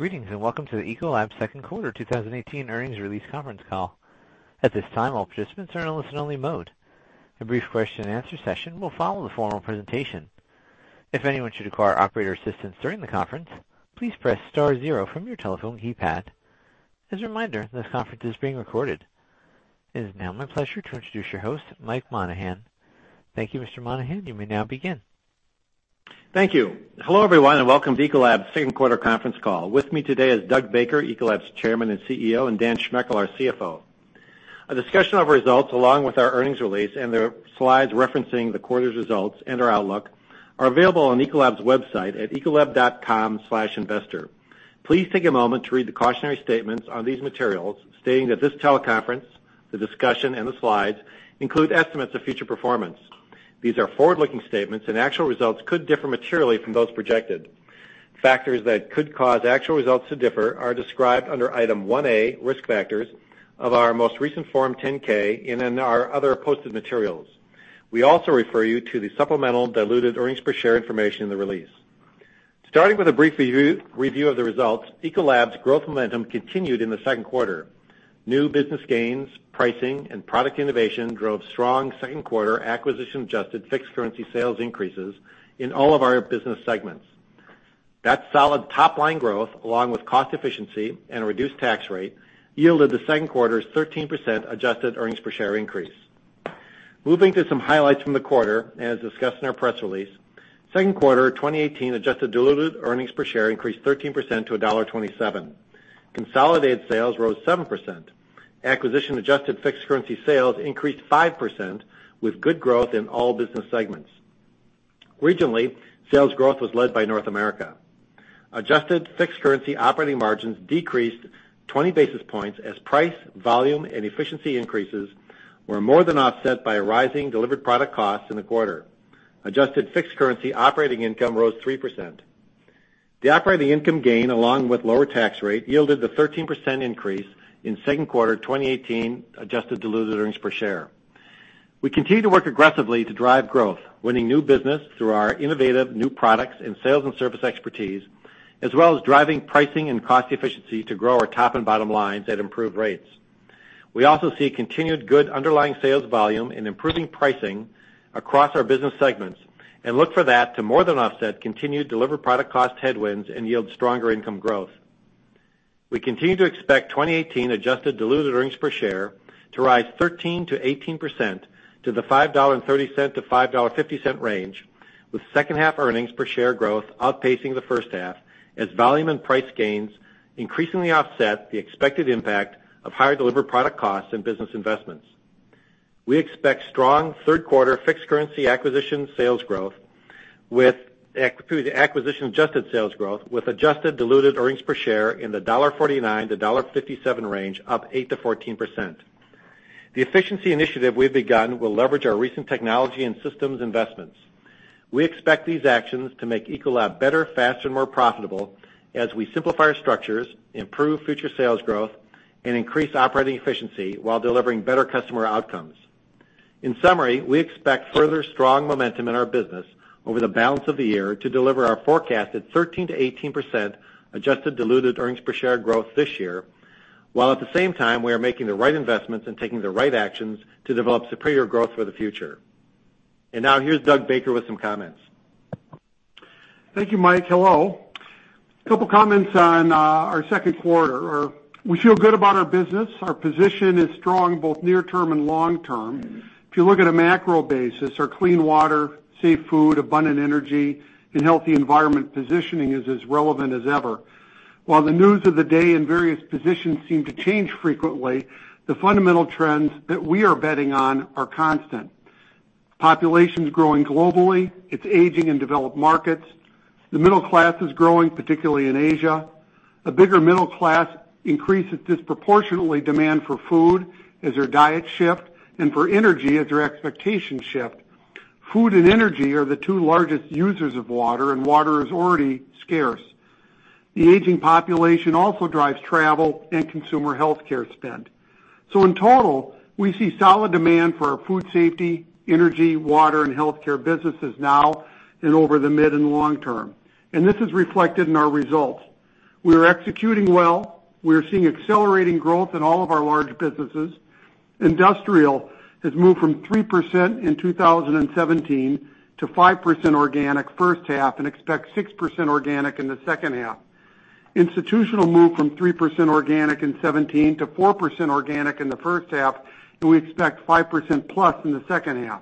Greetings, welcome to the Ecolab second quarter 2018 earnings release conference call. At this time, all participants are in a listen-only mode. A brief question and answer session will follow the formal presentation. If anyone should require operator assistance during the conference, please press star zero from your telephone keypad. As a reminder, this conference is being recorded. It is now my pleasure to introduce your host, Michael Monahan. Thank you, Mr. Monahan. You may now begin. Thank you. Hello, everyone, welcome to Ecolab's second quarter conference call. With me today is Doug Baker, Ecolab's Chairman and CEO, and Dan Schmechel, our CFO. A discussion of results, along with our earnings release and the slides referencing the quarter's results and our outlook, are available on ecolab.com/investor. Please take a moment to read the cautionary statements on these materials, stating that this teleconference, the discussion, and the slides include estimates of future performance. These are forward-looking statements, actual results could differ materially from those projected. Factors that could cause actual results to differ are described under Item 1A, Risk Factors, of our most recent Form 10-K and in our other posted materials. We also refer you to the supplemental diluted earnings per share information in the release. Starting with a brief review of the results, Ecolab's growth momentum continued in the second quarter. New business gains, pricing, product innovation drove strong second quarter acquisition-adjusted fixed currency sales increases in all of our business segments. That solid top-line growth, along with cost efficiency and a reduced tax rate, yielded the second quarter's 13% adjusted earnings per share increase. Moving to some highlights from the quarter, as discussed in our press release, second quarter 2018 adjusted diluted earnings per share increased 13% to $1.27. Consolidated sales rose 7%. Acquisition-adjusted fixed currency sales increased 5% with good growth in all business segments. Regionally, sales growth was led by North America. Adjusted fixed currency operating margins decreased 20 basis points as price, volume, and efficiency increases were more than offset by rising delivered product costs in the quarter. Adjusted fixed currency operating income rose 3%. The operating income gain, along with lower tax rate, yielded the 13% increase in second quarter 2018 adjusted diluted earnings per share. We continue to work aggressively to drive growth, winning new business through our innovative new products and sales and service expertise, as well as driving pricing and cost efficiency to grow our top and bottom lines at improved rates. We also see continued good underlying sales volume and improving pricing across our business segments and look for that to more than offset continued delivered product cost headwinds and yield stronger income growth. We continue to expect 2018 adjusted diluted earnings per share to rise 13%-18% to the $5.30-$5.50 range, with second half earnings per share growth outpacing the first half as volume and price gains increasingly offset the expected impact of higher delivered product costs and business investments. We expect strong third quarter fixed currency acquisition-adjusted sales growth with adjusted diluted earnings per share in the $1.49-$1.57 range, up 8%-14%. The efficiency initiative we've begun will leverage our recent technology and systems investments. We expect these actions to make Ecolab better, faster, and more profitable as we simplify our structures, improve future sales growth, and increase operating efficiency while delivering better customer outcomes. In summary, we expect further strong momentum in our business over the balance of the year to deliver our forecasted 13%-18% adjusted diluted earnings per share growth this year, while at the same time, we are making the right investments and taking the right actions to develop superior growth for the future. Now, here's Doug Baker with some comments. Thank you, Mike. Hello. A couple of comments on our second quarter. We feel good about our business. Our position is strong, both near term and long term. If you look at a macro basis, our clean water, safe food, abundant energy, and healthy environment positioning is as relevant as ever. While the news of the day and various positions seem to change frequently, the fundamental trends that we are betting on are constant. Population's growing globally. It's aging in developed markets. The middle class is growing, particularly in Asia. A bigger middle class increases disproportionately demand for food as their diets shift and for energy as their expectations shift. Food and energy are the two largest users of water, and water is already scarce. The aging population also drives travel and consumer healthcare spend. In total, we see solid demand for our food safety, energy, water, and healthcare businesses now and over the mid and long term, and this is reflected in our results. We are executing well. We are seeing accelerating growth in all of our large businesses. Industrial has moved from 3% in 2017 to 5% organic first half and expects 6% organic in the second half. Institutional moved from 3% organic in 2017 to 4% organic in the first half, and we expect 5%+ in the second half.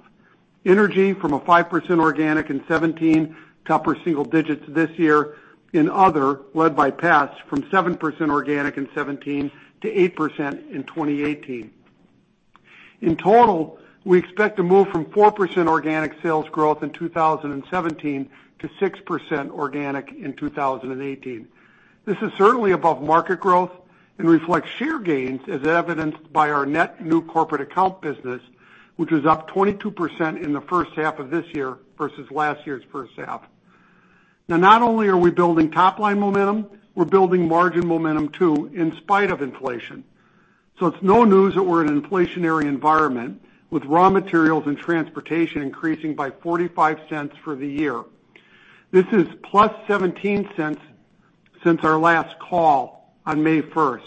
Energy from a 5% organic in 2017, upper single digits this year. In other, led by pest, from 7% organic in 2017 to 8% in 2018. In total, we expect to move from 4% organic sales growth in 2017 to 6% organic in 2018. This is certainly above market growth and reflects share gains as evidenced by our net new corporate account business, which was up 22% in the first half of this year versus last year's first half. Not only are we building top-line momentum, we're building margin momentum too, in spite of inflation. It's no news that we're in an inflationary environment with raw materials and transportation increasing by $0.45 for the year. This is +$0.17 since our last call on May 1st.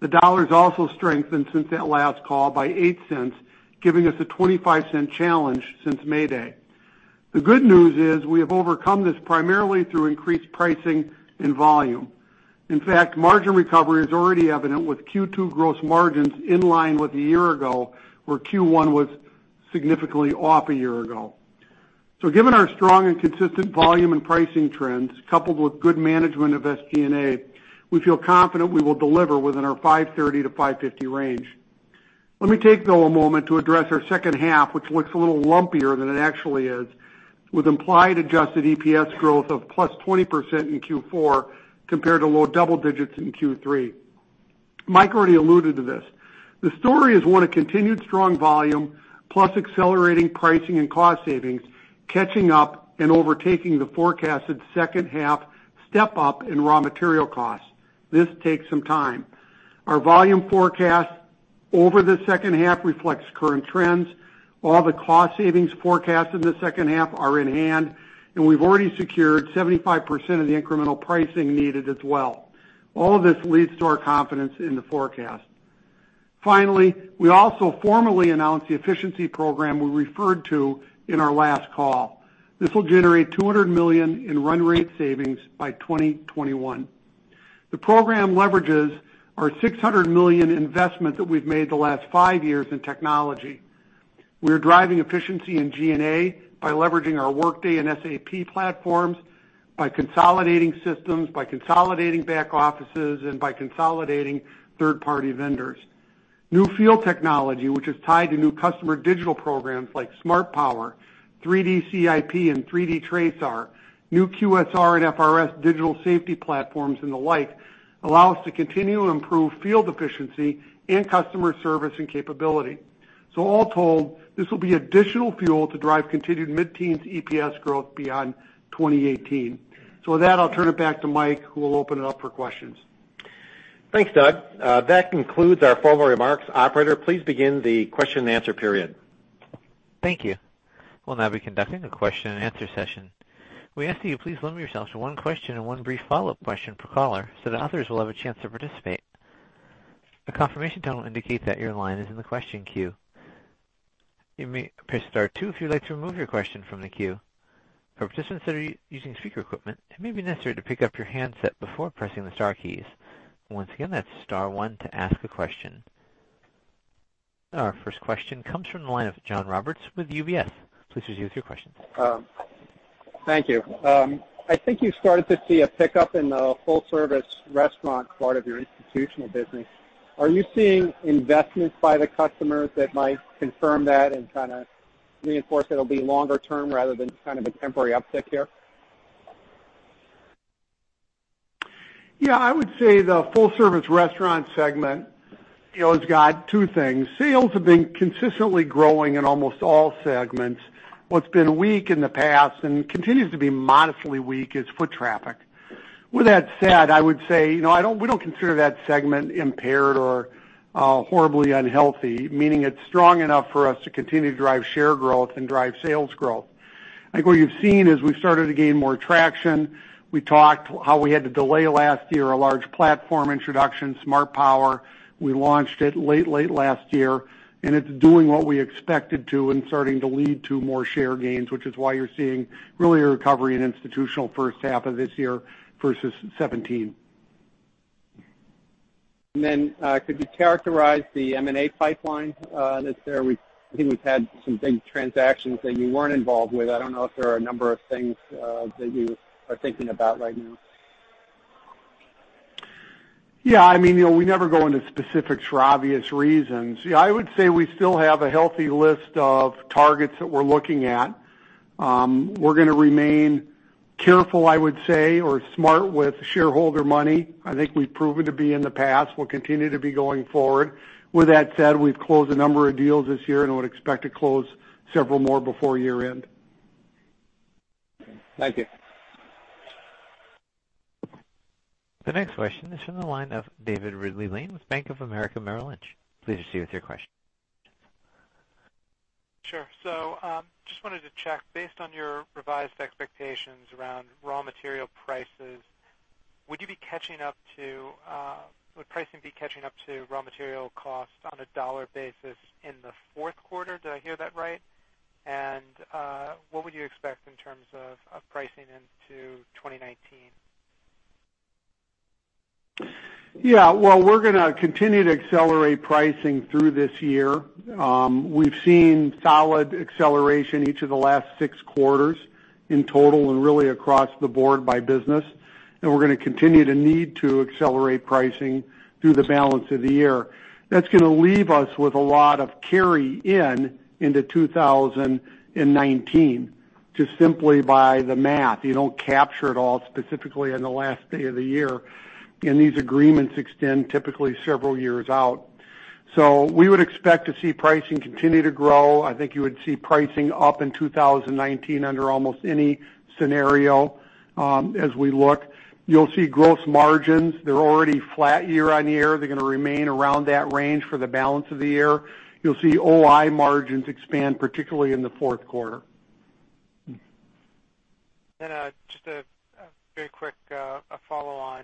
The dollar has also strengthened since that last call by $0.08, giving us a $0.25 challenge since May Day. The good news is we have overcome this primarily through increased pricing and volume. In fact, margin recovery is already evident with Q2 gross margins in line with a year ago, where Q1 was significantly off a year ago. Given our strong and consistent volume and pricing trends, coupled with good management of SG&A, we feel confident we will deliver within our $530-$550 range. Let me take, though, a moment to address our second half, which looks a little lumpier than it actually is, with implied adjusted EPS growth of +20% in Q4 compared to low double digits in Q3. Mike already alluded to this. The story is one of continued strong volume plus accelerating pricing and cost savings, catching up and overtaking the forecasted second half step-up in raw material costs. This takes some time. Our volume forecast over the second half reflects current trends. All the cost savings forecasts in the second half are in hand, and we've already secured 75% of the incremental pricing needed as well. All of this leads to our confidence in the forecast. Finally, we also formally announced the efficiency program we referred to in our last call. This will generate $200 million in run rate savings by 2021. The program leverages our $600 million investment that we've made the last five years in technology. We are driving efficiency in G&A by leveraging our Workday and SAP platforms, by consolidating systems, by consolidating back offices, and by consolidating third-party vendors. New field technology, which is tied to new customer digital programs like SMARTPOWER, 3D CIP, and 3D TRASAR, new QSR and FRS digital safety platforms and the like, allow us to continue to improve field efficiency and customer service and capability. All told, this will be additional fuel to drive continued mid-teens EPS growth beyond 2018. With that, I'll turn it back to Mike, who will open it up for questions. Thanks, Doug. That concludes our formal remarks. Operator, please begin the question and answer period. Thank you. We'll now be conducting a question and answer session. We ask that you please limit yourself to one question and one brief follow-up question per caller so that others will have a chance to participate. A confirmation tone will indicate that your line is in the question queue. You may press star 2 if you'd like to remove your question from the queue. For participants that are using speaker equipment, it may be necessary to pick up your handset before pressing the star keys. Once again, that's star 1 to ask a question. Our first question comes from the line of John Roberts with UBS. Please proceed with your question. Thank you. I think you started to see a pickup in the Full-Service Restaurant part of your institutional business. Are you seeing investments by the customers that might confirm that and kind of reinforce that it'll be longer term rather than kind of a temporary uptick here? Yeah, I would say the Full-Service Restaurant segment, it's got two things. Sales have been consistently growing in almost all segments. What's been weak in the past and continues to be modestly weak is foot traffic. With that said, I would say, we don't consider that segment impaired or horribly unhealthy, meaning it's strong enough for us to continue to drive share growth and drive sales growth. I think what you've seen is we've started to gain more traction. We talked how we had to delay last year a large platform introduction, SMARTPOWER. We launched it late last year, and it's doing what we expected to and starting to lead to more share gains, which is why you're seeing really a recovery in institutional first half of this year versus 2017. Could you characterize the M&A pipeline that's there? I think we've had some big transactions that you weren't involved with. I don't know if there are a number of things that you are thinking about right now. Yeah. We never go into specifics for obvious reasons. Yeah, I would say we still have a healthy list of targets that we're looking at. We're going to remain careful, I would say, or smart with shareholder money. I think we've proven to be in the past. We'll continue to be going forward. With that said, we've closed a number of deals this year and would expect to close several more before year-end. Thank you. The next question is from the line of David Ridley-Lane with Bank of America Merrill Lynch. Please proceed with your question. Sure. Just wanted to check, based on your revised expectations around raw material prices, would pricing be catching up to raw material costs on a dollar basis in the fourth quarter? Did I hear that right? What would you expect in terms of pricing into 2019? Well, we're going to continue to accelerate pricing through this year. We've seen solid acceleration each of the last six quarters in total and really across the board by business, we're going to continue to need to accelerate pricing through the balance of the year. That's going to leave us with a lot of carry in into 2019, just simply by the math. You don't capture it all specifically on the last day of the year. These agreements extend typically several years out. We would expect to see pricing continue to grow. I think you would see pricing up in 2019 under almost any scenario as we look. You'll see gross margins, they're already flat year-on-year. They're going to remain around that range for the balance of the year. You'll see OI margins expand, particularly in the fourth quarter. Just a very quick follow-on.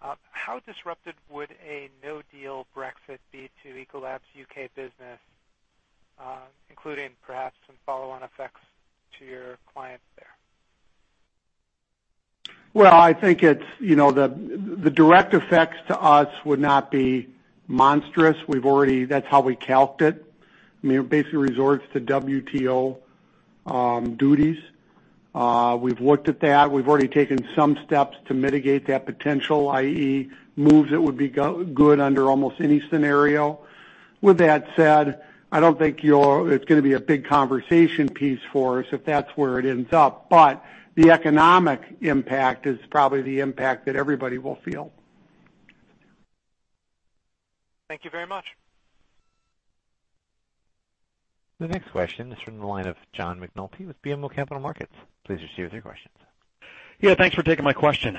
How disrupted would a no-deal Brexit be to Ecolab's U.K. business, including perhaps some follow-on effects to your clients there? I think the direct effects to us would not be monstrous. That's how we calc it. Basically resorts to WTO duties. We've looked at that. We've already taken some steps to mitigate that potential, i.e., moves that would be good under almost any scenario. With that said, I don't think it's going to be a big conversation piece for us if that's where it ends up, but the economic impact is probably the impact that everybody will feel. Thank you very much. The next question is from the line of John McNulty with BMO Capital Markets. Please proceed with your questions. Yeah, thanks for taking my question.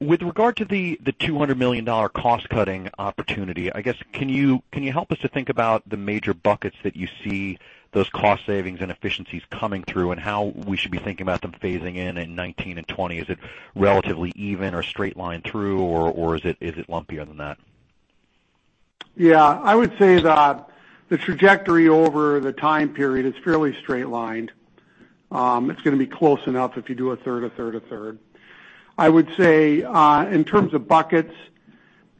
With regard to the $200 million cost-cutting opportunity, I guess, can you help us to think about the major buckets that you see those cost savings and efficiencies coming through, and how we should be thinking about them phasing in in 2019 and 2020? Is it relatively even or straight-line through, or is it lumpier than that? Yeah. I would say that the trajectory over the time period is fairly straight-line. It's going to be close enough if you do a third, a third, a third. I would say, in terms of buckets,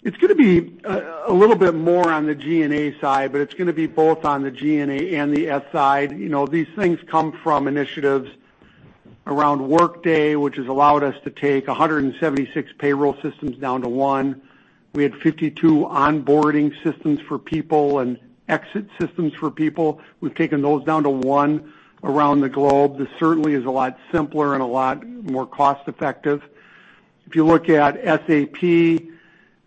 it's going to be a little bit more on the G&A side, but it's going to be both on the G&A and the S side. These things come from initiatives around Workday, which has allowed us to take 176 payroll systems down to one. We had 52 onboarding systems for people and exit systems for people. We've taken those down to one around the globe. This certainly is a lot simpler and a lot more cost-effective. If you look at SAP,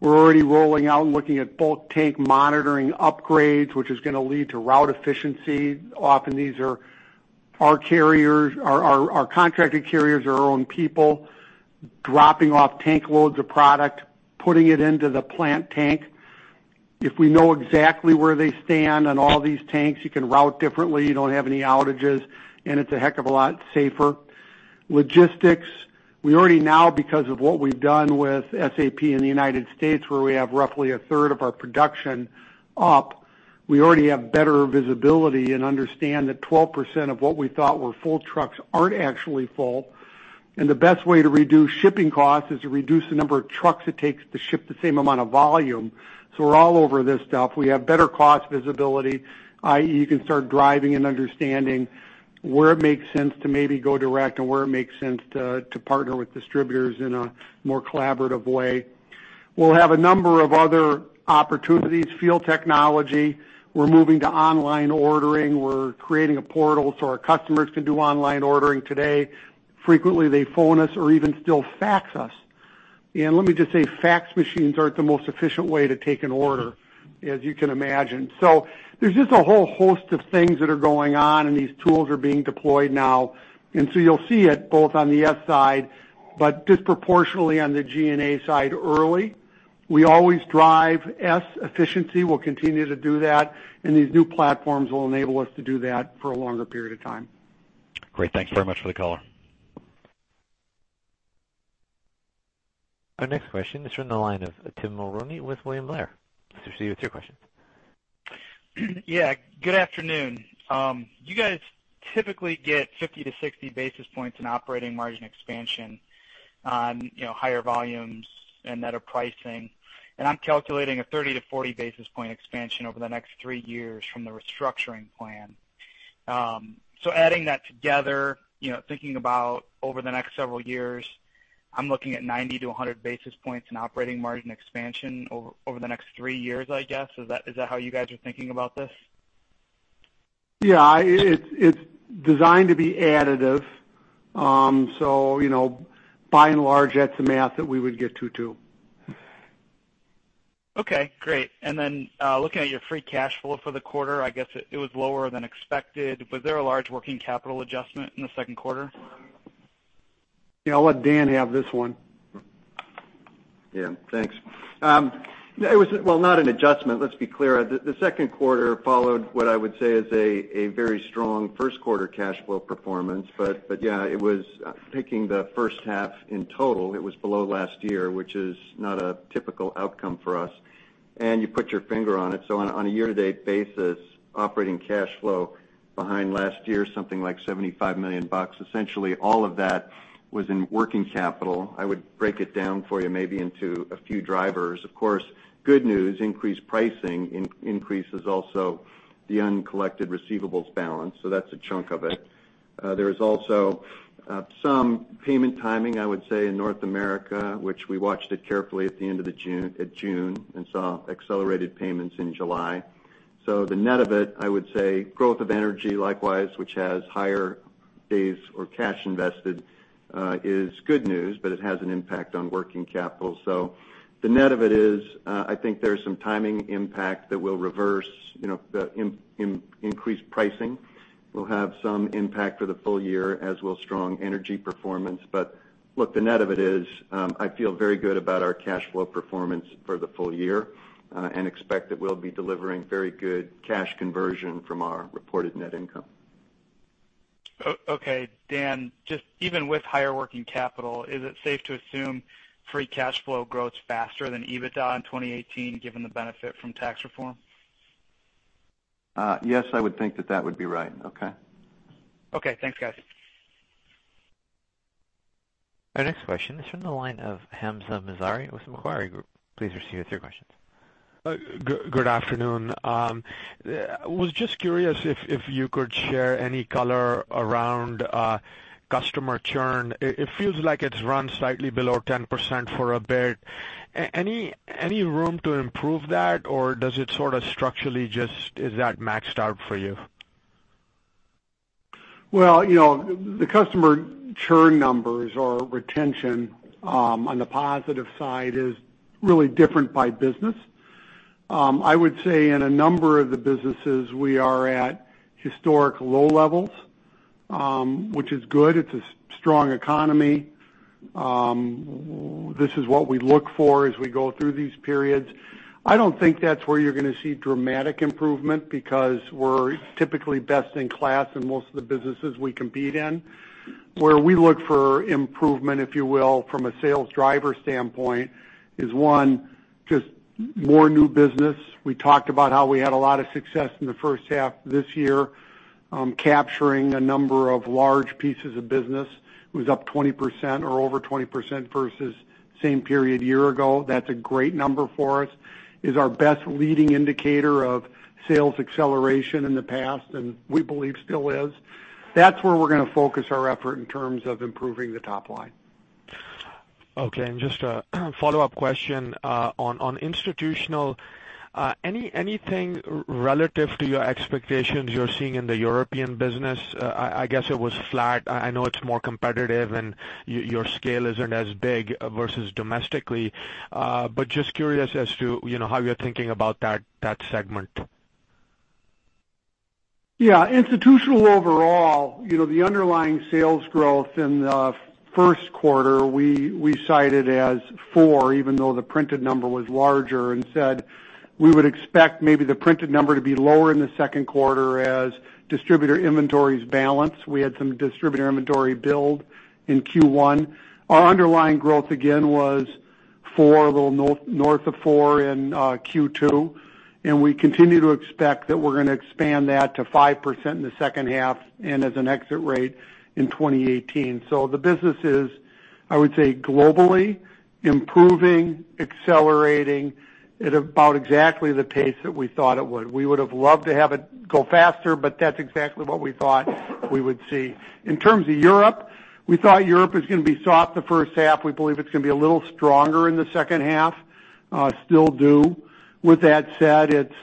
we're already rolling out and looking at bulk tank monitoring upgrades, which is going to lead to route efficiency. Often these are our contracted carriers, our own people, dropping off tank loads of product, putting it into the plant tank. If we know exactly where they stand on all these tanks, you can route differently, you don't have any outages, and it's a heck of a lot safer. Logistics, we already now, because of what we've done with SAP in the U.S., where we have roughly a third of our production up, we already have better visibility and understand that 12% of what we thought were full trucks aren't actually full. The best way to reduce shipping costs is to reduce the number of trucks it takes to ship the same amount of volume. We're all over this stuff. We have better cost visibility, i.e., you can start driving and understanding where it makes sense to maybe go direct and where it makes sense to partner with distributors in a more collaborative way. We'll have a number of other opportunities. Field technology, we're moving to online ordering. We're creating a portal so our customers can do online ordering today. Frequently, they phone us or even still fax us. Let me just say, fax machines aren't the most efficient way to take an order, as you can imagine. There's just a whole host of things that are going on, and these tools are being deployed now. You'll see it both on the S side, but disproportionately on the G&A side early. We always drive S efficiency, we'll continue to do that, and these new platforms will enable us to do that for a longer period of time. Great. Thank you very much for the color. Our next question is from the line of Tim Mulrooney with William Blair. Please proceed with your questions. Yeah, good afternoon. You guys typically get 50 to 60 basis points in operating margin expansion on higher volumes and net of pricing. I'm calculating a 30 to 40 basis point expansion over the next 3 years from the restructuring plan. Adding that together, thinking about over the next several years, I'm looking at 90 to 100 basis points in operating margin expansion over the next 3 years, I guess. Is that how you guys are thinking about this? Yeah. It's designed to be additive. By and large, that's the math that we would get to too. Okay, great. Looking at your free cash flow for the quarter, I guess it was lower than expected. Was there a large working capital adjustment in the second quarter? Yeah, I'll let Dan have this one. Yeah, thanks. It was, well, not an adjustment, let's be clear. The second quarter followed what I would say is a very strong first quarter cash flow performance. Yeah, it was picking the first half in total. It was below last year, which is not a typical outcome for us. You put your finger on it. On a year-to-date basis, operating cash flow behind last year, something like $75 million. Essentially all of that was in working capital. I would break it down for you maybe into a few drivers. Of course, good news, increased pricing increases also the uncollected receivables balance, so that's a chunk of it. There is also some payment timing, I would say, in North America, which we watched it carefully at the end of June and saw accelerated payments in July. The net of it, I would say growth of Energy, likewise, which has higher days or cash invested is good news, but it has an impact on working capital. The net of it is, I think there's some timing impact that will reverse the increased pricing, will have some impact for the full year, as will strong Energy performance. Look, the net of it is, I feel very good about our cash flow performance for the full year, and expect that we'll be delivering very good cash conversion from our reported net income. Okay. Dan, just even with higher working capital, is it safe to assume free cash flow grows faster than EBITDA in 2018 given the benefit from tax reform? Yes, I would think that that would be right. Okay. Okay. Thanks, guys. Our next question is from the line of Hamzah Mazari with Macquarie Group. Please proceed with your questions. Good afternoon. I was just curious if you could share any color around customer churn. It feels like it's run slightly below 10% for a bit. Any room to improve that, or does it sort of structurally just, is that maxed out for you? Well, the customer churn numbers or retention, on the positive side, is really different by business. I would say in a number of the businesses, we are at historic low levels, which is good. It's a strong economy. This is what we look for as we go through these periods. I don't think that's where you're going to see dramatic improvement because we're typically best in class in most of the businesses we compete in. Where we look for improvement, if you will, from a sales driver standpoint is one, just more new business. We talked about how we had a lot of success in the first half of this year capturing a number of large pieces of business. It was up 20% or over 20% versus same period year ago. That's a great number for us. It is our best leading indicator of sales acceleration in the past, we believe still is. That's where we're going to focus our effort in terms of improving the top line. Okay, just a follow-up question. On institutional, anything relative to your expectations you're seeing in the European business? I guess it was flat. I know it's more competitive and your scale isn't as big versus domestically. Just curious as to how you're thinking about that segment. Yeah. Institutional overall, the underlying sales growth in the first quarter, we cited as 4%, even though the printed number was larger, and said we would expect maybe the printed number to be lower in the second quarter as distributor inventories balance. We had some distributor inventory build in Q1. Our underlying growth again was 4%, a little north of 4% in Q2, we continue to expect that we're going to expand that to 5% in the second half and as an exit rate in 2018. The business is, I would say, globally improving, accelerating at about exactly the pace that we thought it would. We would've loved to have it go faster, that's exactly what we thought we would see. In terms of Europe, we thought Europe was going to be soft the first half. We believe it's going to be a little stronger in the second half. Still do. With that said, it's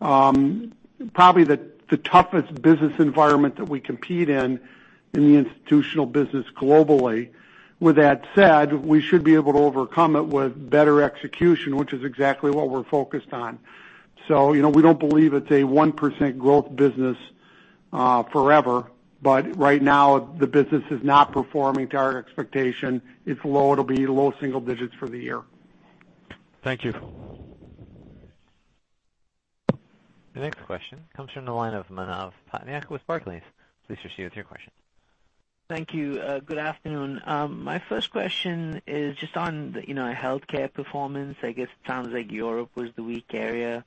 probably the toughest business environment that we compete in the institutional business globally. With that said, we should be able to overcome it with better execution, which is exactly what we're focused on. We don't believe it's a 1% growth business forever. Right now, the business is not performing to our expectation. It's low. It'll be low single digits for the year. Thank you. The next question comes from the line of Manav Patnaik with Barclays. Please proceed with your question. Thank you. Good afternoon. My first question is just on the healthcare performance. I guess it sounds like Europe was the weak area.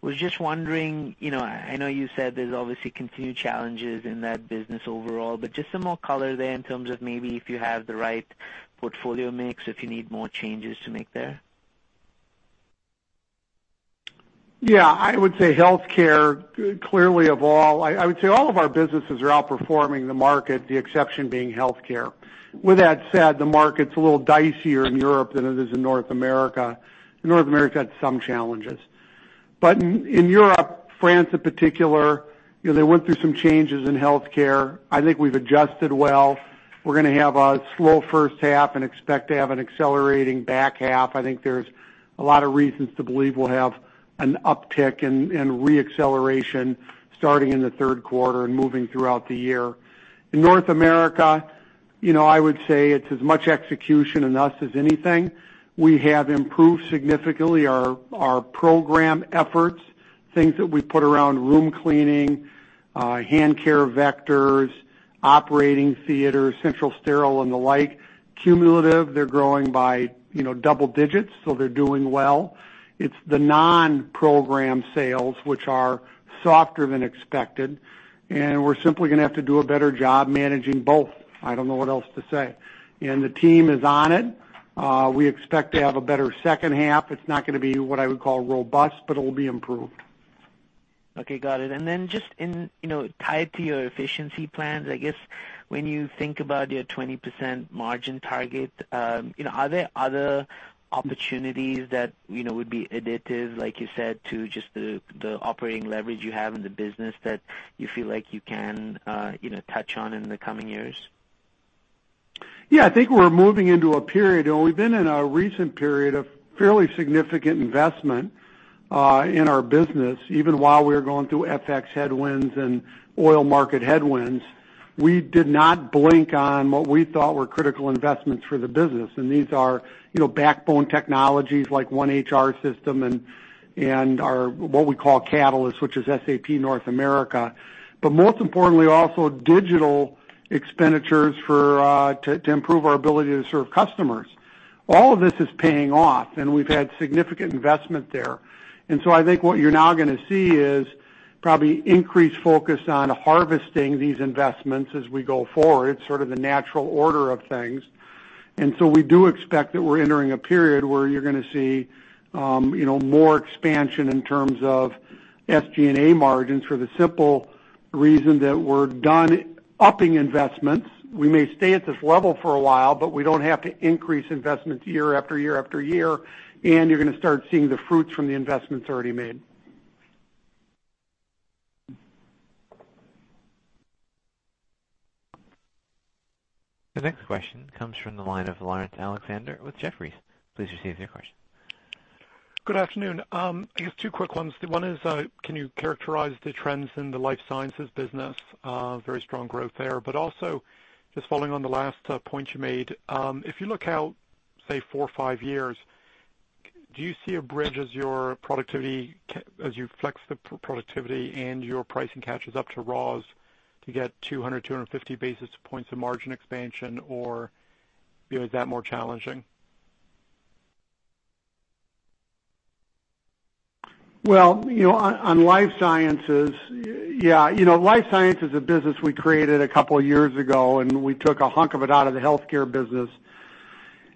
Was just wondering, I know you said there's obviously continued challenges in that business overall, but just some more color there in terms of maybe if you have the right portfolio mix, if you need more changes to make there. Yeah, I would say healthcare, clearly I would say all of our businesses are outperforming the market, the exception being healthcare. With that said, the market's a little dicier in Europe than it is in North America. North America had some challenges. In Europe, France in particular, they went through some changes in healthcare. I think we've adjusted well. We're going to have a slow first half and expect to have an accelerating back half. I think there's a lot of reasons to believe we'll have an uptick and re-acceleration starting in the third quarter and moving throughout the year. In North America, I would say it's as much execution in us as anything. We have improved significantly our program efforts, things that we put around room cleaning, hand care vectors, operating theaters, central sterile, and the like. Cumulative, they're growing by double digits, they're doing well. It's the non-program sales which are softer than expected, we're simply going to have to do a better job managing both. I don't know what else to say. The team is on it. We expect to have a better second half. It's not going to be what I would call robust, but it'll be improved. Okay, got it. Just tied to your efficiency plans, I guess when you think about your 20% margin target, are there other opportunities that would be additive, like you said, to just the operating leverage you have in the business that you feel like you can touch on in the coming years? Yeah, I think we're moving into a period, we've been in a recent period of fairly significant investment in our business, even while we were going through FX headwinds and oil market headwinds. We did not blink on what we thought were critical investments for the business. These are backbone technologies like one HR system and what we call Catalyst, which is SAP North America. Most importantly, also digital expenditures to improve our ability to serve customers. All of this is paying off, we've had significant investment there. I think what you're now going to see is probably increased focus on harvesting these investments as we go forward, sort of the natural order of things. We do expect that we're entering a period where you're going to see more expansion in terms of SG&A margins for the simple reason that we're done upping investments. We may stay at this level for a while, we don't have to increase investments year after year after year, you're going to start seeing the fruits from the investments already made. The next question comes from the line of Laurence Alexander with Jefferies. Please proceed with your question. Good afternoon. I guess two quick ones. One is, can you characterize the trends in the life sciences business? Very strong growth there. Also just following on the last point you made. If you look out, say, four or five years, do you see a bridge as you flex the productivity and your pricing catches up to raws to get 200 or 250 basis points of margin expansion, or is that more challenging? Well, on life sciences. Life science is a business we created a couple of years ago. We took a hunk of it out of the healthcare business,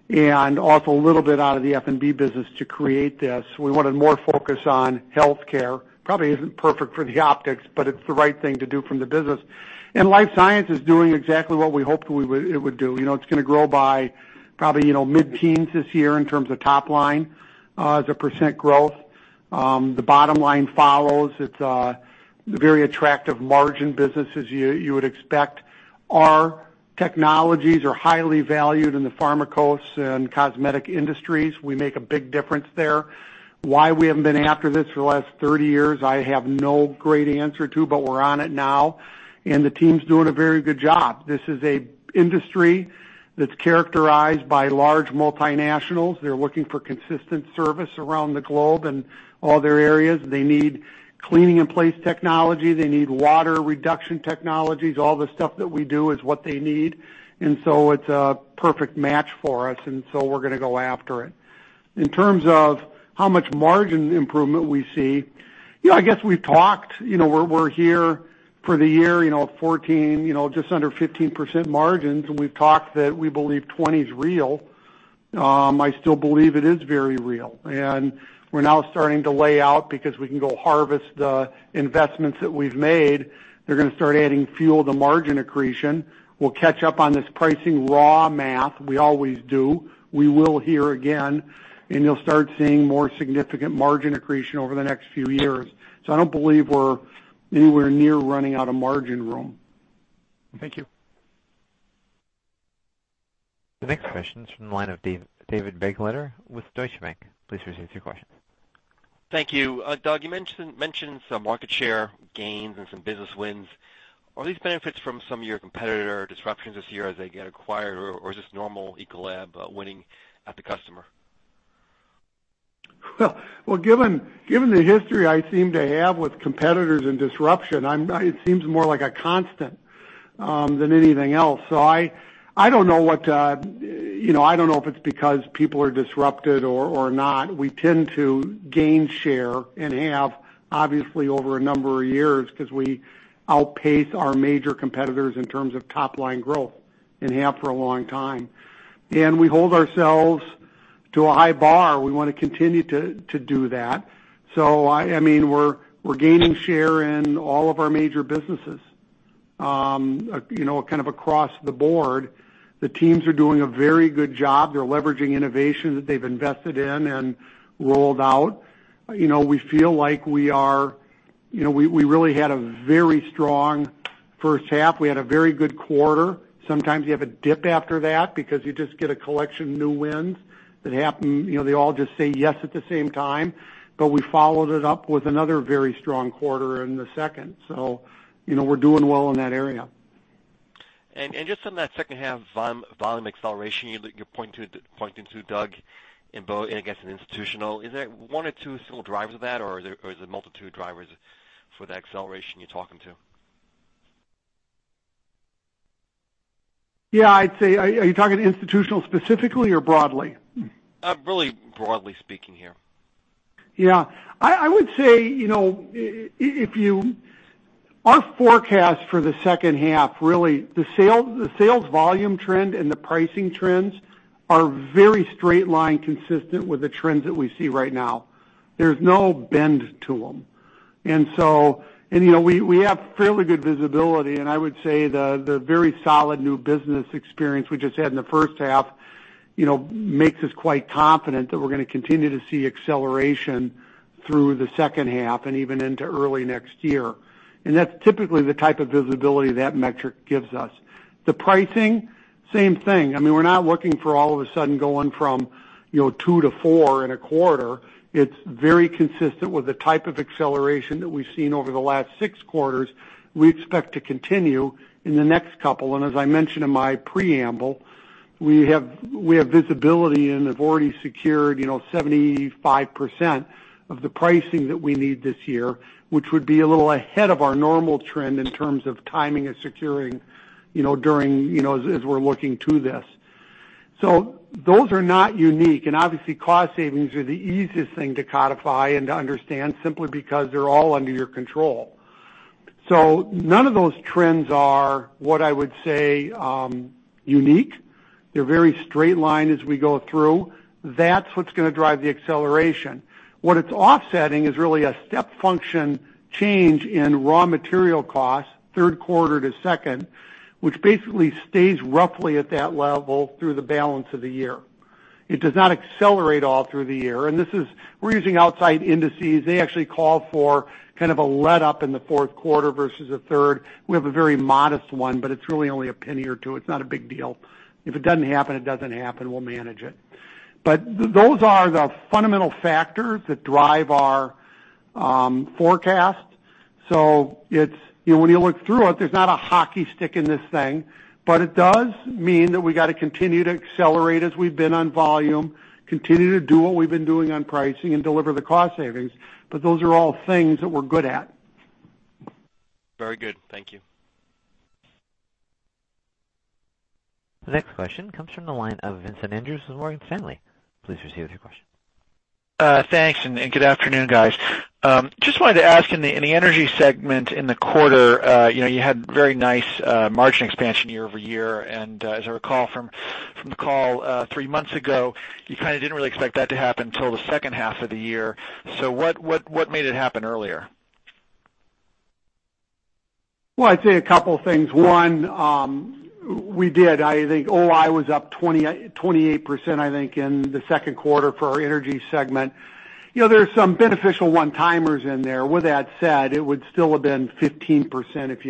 and also a little bit out of the F&B business to create this. We wanted more focus on healthcare. Probably isn't perfect for the optics, but it's the right thing to do from the business. Life science is doing exactly what we hoped it would do. It's going to grow by probably mid-teens this year in terms of top line, as a % growth. The bottom line follows. It's a very attractive margin business as you would expect. Our technologies are highly valued in the pharmaceuticals and cosmetic industries. We make a big difference there. Why we haven't been after this for the last 30 years, I have no great answer to, but we're on it now, and the team's doing a very good job. This is an industry that's characterized by large multinationals. They're looking for consistent service around the globe in all their areas. They need cleaning in place technology. They need water reduction technologies. All the stuff that we do is what they need. It's a perfect match for us, and so we're going to go after it. In terms of how much margin improvement we see, I guess we've talked, we're here for the year, 14, just under 15% margins, and we've talked that we believe 20 is real. I still believe it is very real. We're now starting to lay out because we can go harvest the investments that we've made. They're going to start adding fuel to margin accretion. We'll catch up on this pricing raw math. We always do. We will here again. You'll start seeing more significant margin accretion over the next few years. I don't believe we're anywhere near running out of margin room. Thank you. The next question is from the line of David Begleiter with Deutsche Bank. Please proceed with your question. Thank you. Doug, you mentioned some market share gains and some business wins. Are these benefits from some of your competitor disruptions this year as they get acquired, or is this normal Ecolab winning at the customer? Given the history I seem to have with competitors and disruption, it seems more like a constant than anything else. I don't know if it's because people are disrupted or not. We tend to gain share and have, obviously over a number of years, because we outpace our major competitors in terms of top-line growth and have for a long time. We hold ourselves to a high bar. We want to continue to do that. We're gaining share in all of our major businesses, kind of across the board. The teams are doing a very good job. They're leveraging innovation that they've invested in and rolled out. We feel like we really had a very strong first half. We had a very good quarter. Sometimes you have a dip after that because you just get a collection of new wins that happen. They all just say yes at the same time. We followed it up with another very strong quarter in the second. We're doing well in that area. Just on that second half volume acceleration you're pointing to, Doug, in both, I guess, in institutional, is there one or two single drivers of that, or is it a multitude of drivers for the acceleration you're talking to? Yeah. Are you talking institutional specifically or broadly? Really broadly speaking here. Yeah. I would say, our forecast for the second half, really, the sales volume trend and the pricing trends are very straight line consistent with the trends that we see right now. There's no bend to them. We have fairly good visibility, and I would say the very solid new business experience we just had in the first half makes us quite confident that we're going to continue to see acceleration through the second half and even into early next year. That's typically the type of visibility that metric gives us. Pricing, same thing. We're not looking for all of a sudden going from two to four in a quarter. It's very consistent with the type of acceleration that we've seen over the last six quarters. We expect to continue in the next couple, and as I mentioned in my preamble, we have visibility and have already secured 75% of the pricing that we need this year, which would be a little ahead of our normal trend in terms of timing and securing as we're looking to this. Those are not unique, and obviously cost savings are the easiest thing to codify and to understand simply because they're all under your control. None of those trends are what I would say, unique. They're very straight line as we go through. That's what's going to drive the acceleration. What it's offsetting is really a step function change in raw material costs, third quarter to second, which basically stays roughly at that level through the balance of the year. It does not accelerate all through the year. We're using outside indices. They actually call for kind of a let-up in the fourth quarter versus the third. We have a very modest one, but it's really only $0.01 or $0.02. It's not a big deal. If it doesn't happen, it doesn't happen. We'll manage it. Those are the fundamental factors that drive our forecast. When you look through it, there's not a hockey stick in this thing. It does mean that we got to continue to accelerate as we've been on volume, continue to do what we've been doing on pricing, and deliver the cost savings. Those are all things that we're good at. Very good. Thank you. The next question comes from the line of Vincent Andrews with Morgan Stanley. Please proceed with your question. Thanks, and good afternoon, guys. Just wanted to ask in the energy segment in the quarter, you had very nice margin expansion year-over-year. As I recall from the call three months ago, you kind of didn't really expect that to happen till the second half of the year. What made it happen earlier? Well, I'd say a couple of things. One, we did. I think OI was up 28%, I think, in the second quarter for our energy segment. There's some beneficial one-timers in there. With that said, it would still have been 15% if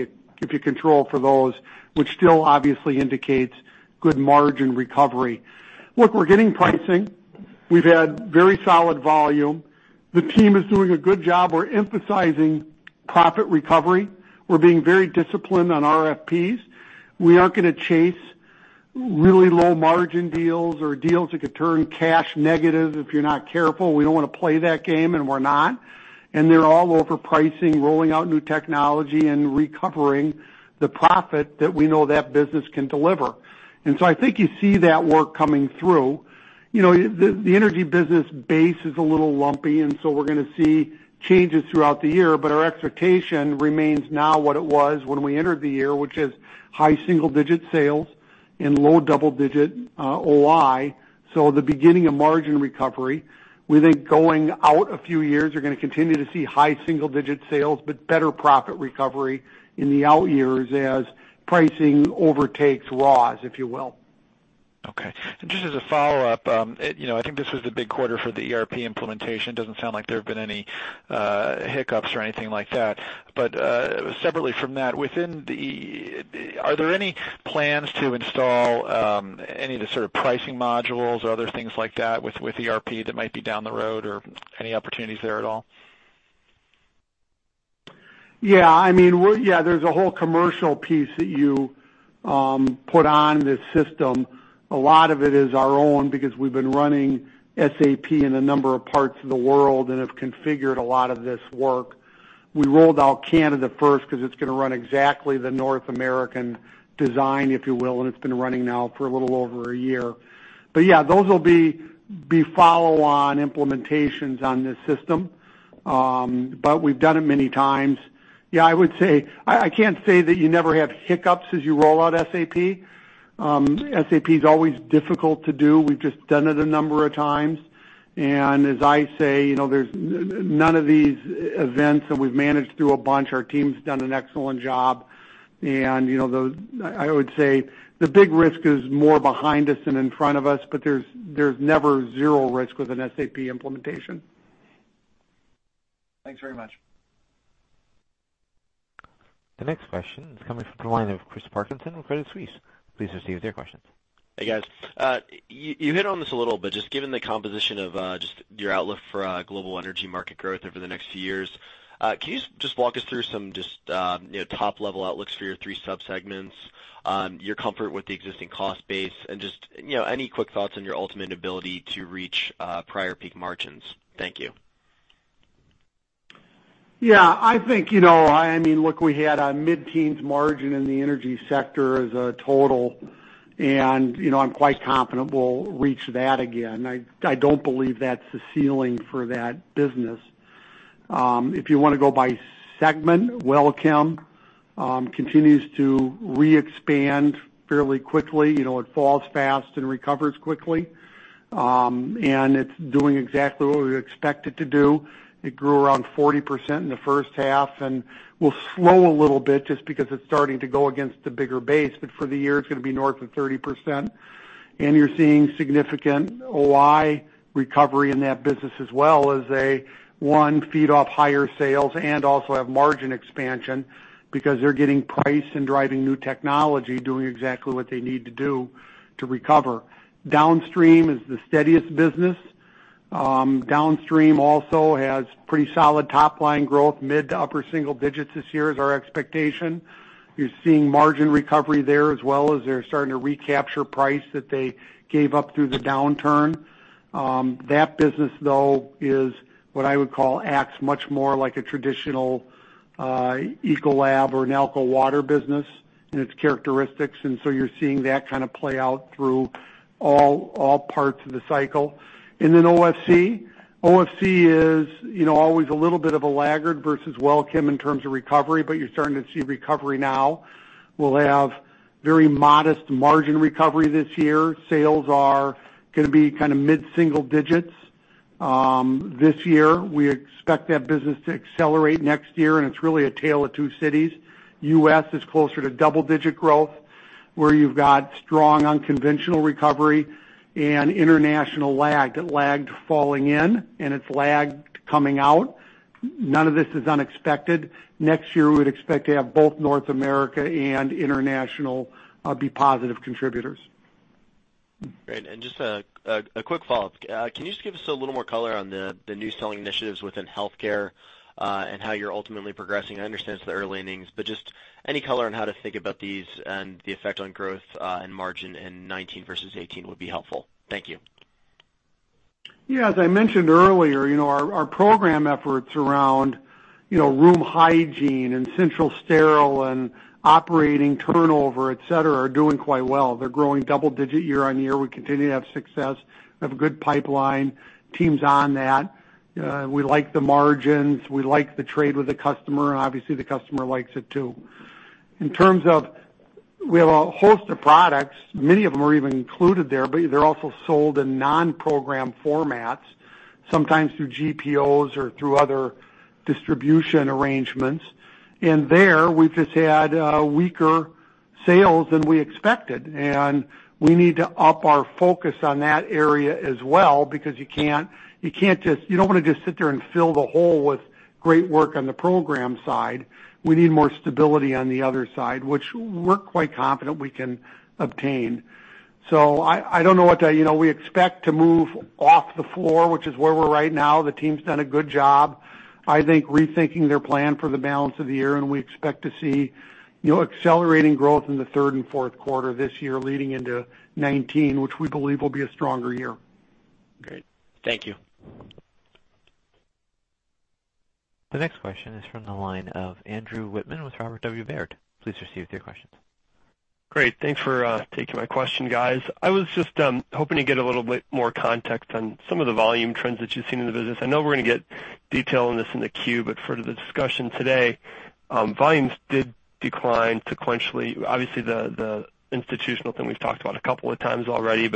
you control for those, which still obviously indicates good margin recovery. Look, we're getting pricing. We've had very solid volume. The team is doing a good job. We're emphasizing profit recovery. We're being very disciplined on RFP. We aren't going to chase really low margin deals or deals that could turn cash negative if you're not careful. We don't want to play that game, and we're not. They're all over pricing, rolling out new technology, and recovering the profit that we know that business can deliver. I think you see that work coming through. The energy business base is a little lumpy, so we're going to see changes throughout the year, but our expectation remains now what it was when we entered the year, which is high single-digit sales and low double-digit OI. The beginning of margin recovery. We think going out a few years, you're going to continue to see high single-digit sales, but better profit recovery in the out years as pricing overtakes loss, if you will. Okay. Just as a follow-up, I think this was the big quarter for the ERP implementation. Doesn't sound like there have been any hiccups or anything like that. Separately from that, are there any plans to install any of the sort of pricing modules or other things like that with ERP that might be down the road or any opportunities there at all? Yeah. There's a whole commercial piece that you put on this system. A lot of it is our own because we've been running SAP in a number of parts of the world and have configured a lot of this work. We rolled out Canada first because it's going to run exactly the North American design, if you will, and it's been running now for a little over a year. Yeah, those will be follow-on implementations on this system. We've done it many times. Yeah, I can't say that you never have hiccups as you roll out SAP. SAP is always difficult to do. We've just done it a number of times. As I say, none of these events, and we've managed through a bunch, our team's done an excellent job. I would say the big risk is more behind us than in front of us, but there's never zero risk with an SAP implementation. Thanks very much. The next question is coming from the line of Chris Parkinson with Credit Suisse. Please proceed with your question. Hey, guys. You hit on this a little, just given the composition of just your outlook for global energy market growth over the next few years, can you just walk us through some just top level outlooks for your three subsegments, your comfort with the existing cost base, and just any quick thoughts on your ultimate ability to reach prior peak margins? Thank you. Yeah. Look, we had a mid-teens margin in the energy sector as a total, I'm quite confident we'll reach that again. I don't believe that's the ceiling for that business. If you want to go by segment, WellChem continues to re-expand fairly quickly. It falls fast and recovers quickly. It's doing exactly what we expect it to do. It grew around 40% in the first half and will slow a little bit just because it's starting to go against the bigger base. For the year, it's going to be north of 30%. You're seeing significant OI recovery in that business as well as they, one, feed off higher sales and also have margin expansion because they're getting price and driving new technology, doing exactly what they need to do to recover. Downstream is the steadiest business. Downstream also has pretty solid top-line growth, mid to upper single digits this year is our expectation. You're seeing margin recovery there as well as they're starting to recapture price that they gave up through the downturn. That business, though, is what I would call, acts much more like a traditional Ecolab or a Nalco Water business in its characteristics. You're seeing that kind of play out through all parts of the cycle. OFC. OFC is always a little bit of a laggard versus WellChem in terms of recovery, but you're starting to see recovery now. We'll have very modest margin recovery this year. Sales are going to be mid single digits this year. We expect that business to accelerate next year, and it's really a tale of two cities. U.S. is closer to double-digit growth, where you've got strong unconventional recovery and international lagged. It lagged falling in. It's lagged coming out. None of this is unexpected. Next year, we would expect to have both North America and international be positive contributors. Great. Just a quick follow-up. Can you just give us a little more color on the new selling initiatives within healthcare, and how you're ultimately progressing? I understand it's the early innings, but just any color on how to think about these and the effect on growth, and margin in 2019 versus 2018 would be helpful. Thank you. Yeah. As I mentioned earlier, our program efforts around room hygiene and central sterile and operating turnover, et cetera, are doing quite well. They're growing double-digit year-over-year. We continue to have success. We have a good pipeline. Team's on that. We like the margins. We like the trade with the customer, and obviously the customer likes it too. We have a host of products. Many of them are even included there, but they're also sold in non-program formats, sometimes through GPOs or through other distribution arrangements. There, we've just had weaker sales than we expected, and we need to up our focus on that area as well, because you don't want to just sit there and fill the hole with great work on the program side. We need more stability on the other side, which we're quite confident we can obtain. I don't know what that. We expect to move off the floor, which is where we are right now. The team's done a good job, I think, rethinking their plan for the balance of the year, and we expect to see accelerating growth in the third and fourth quarter this year leading into 2019, which we believe will be a stronger year. Great. Thank you. The next question is from the line of Andrew Wittmann with Robert W. Baird. Please proceed with your questions. Great. Thanks for taking my question, guys. I was just hoping to get a little bit more context on some of the volume trends that you've seen in the business. I know we're going to get detail on this in the Q2, for the discussion today, volumes did decline sequentially. Obviously, the institutional thing we've talked about a couple of times already,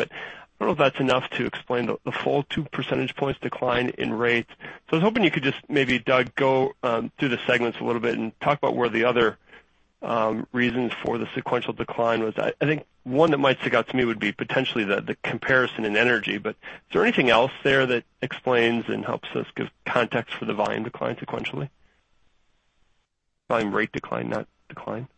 I don't know if that's enough to explain the full two percentage points decline in rates. I was hoping you could just maybe, Doug, go through the segments a little bit and talk about where the other reasons for the sequential decline was. I think one that might stick out to me would be potentially the comparison in energy, is there anything else there that explains and helps us give context for the volume decline sequentially? Volume rate decline, not decline.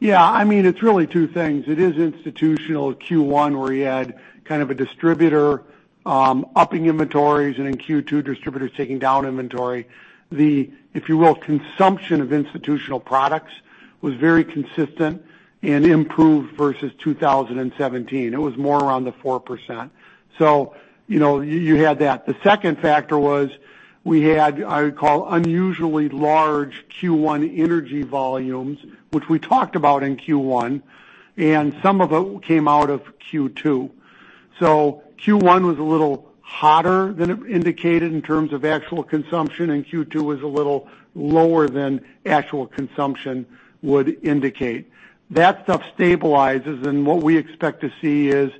Yeah, it's really two things. It is institutional Q1 where you had kind of a distributor upping inventories, and in Q2, distributors taking down inventory. The, if you will, consumption of institutional products was very consistent and improved versus 2017. It was more around the 4%. You had that. The second factor was we had, I would call, unusually large Q1 energy volumes, which we talked about in Q1, and some of it came out of Q2. Q1 was a little hotter than it indicated in terms of actual consumption, and Q2 was a little lower than actual consumption would indicate. That stuff stabilizes, and what we expect to see is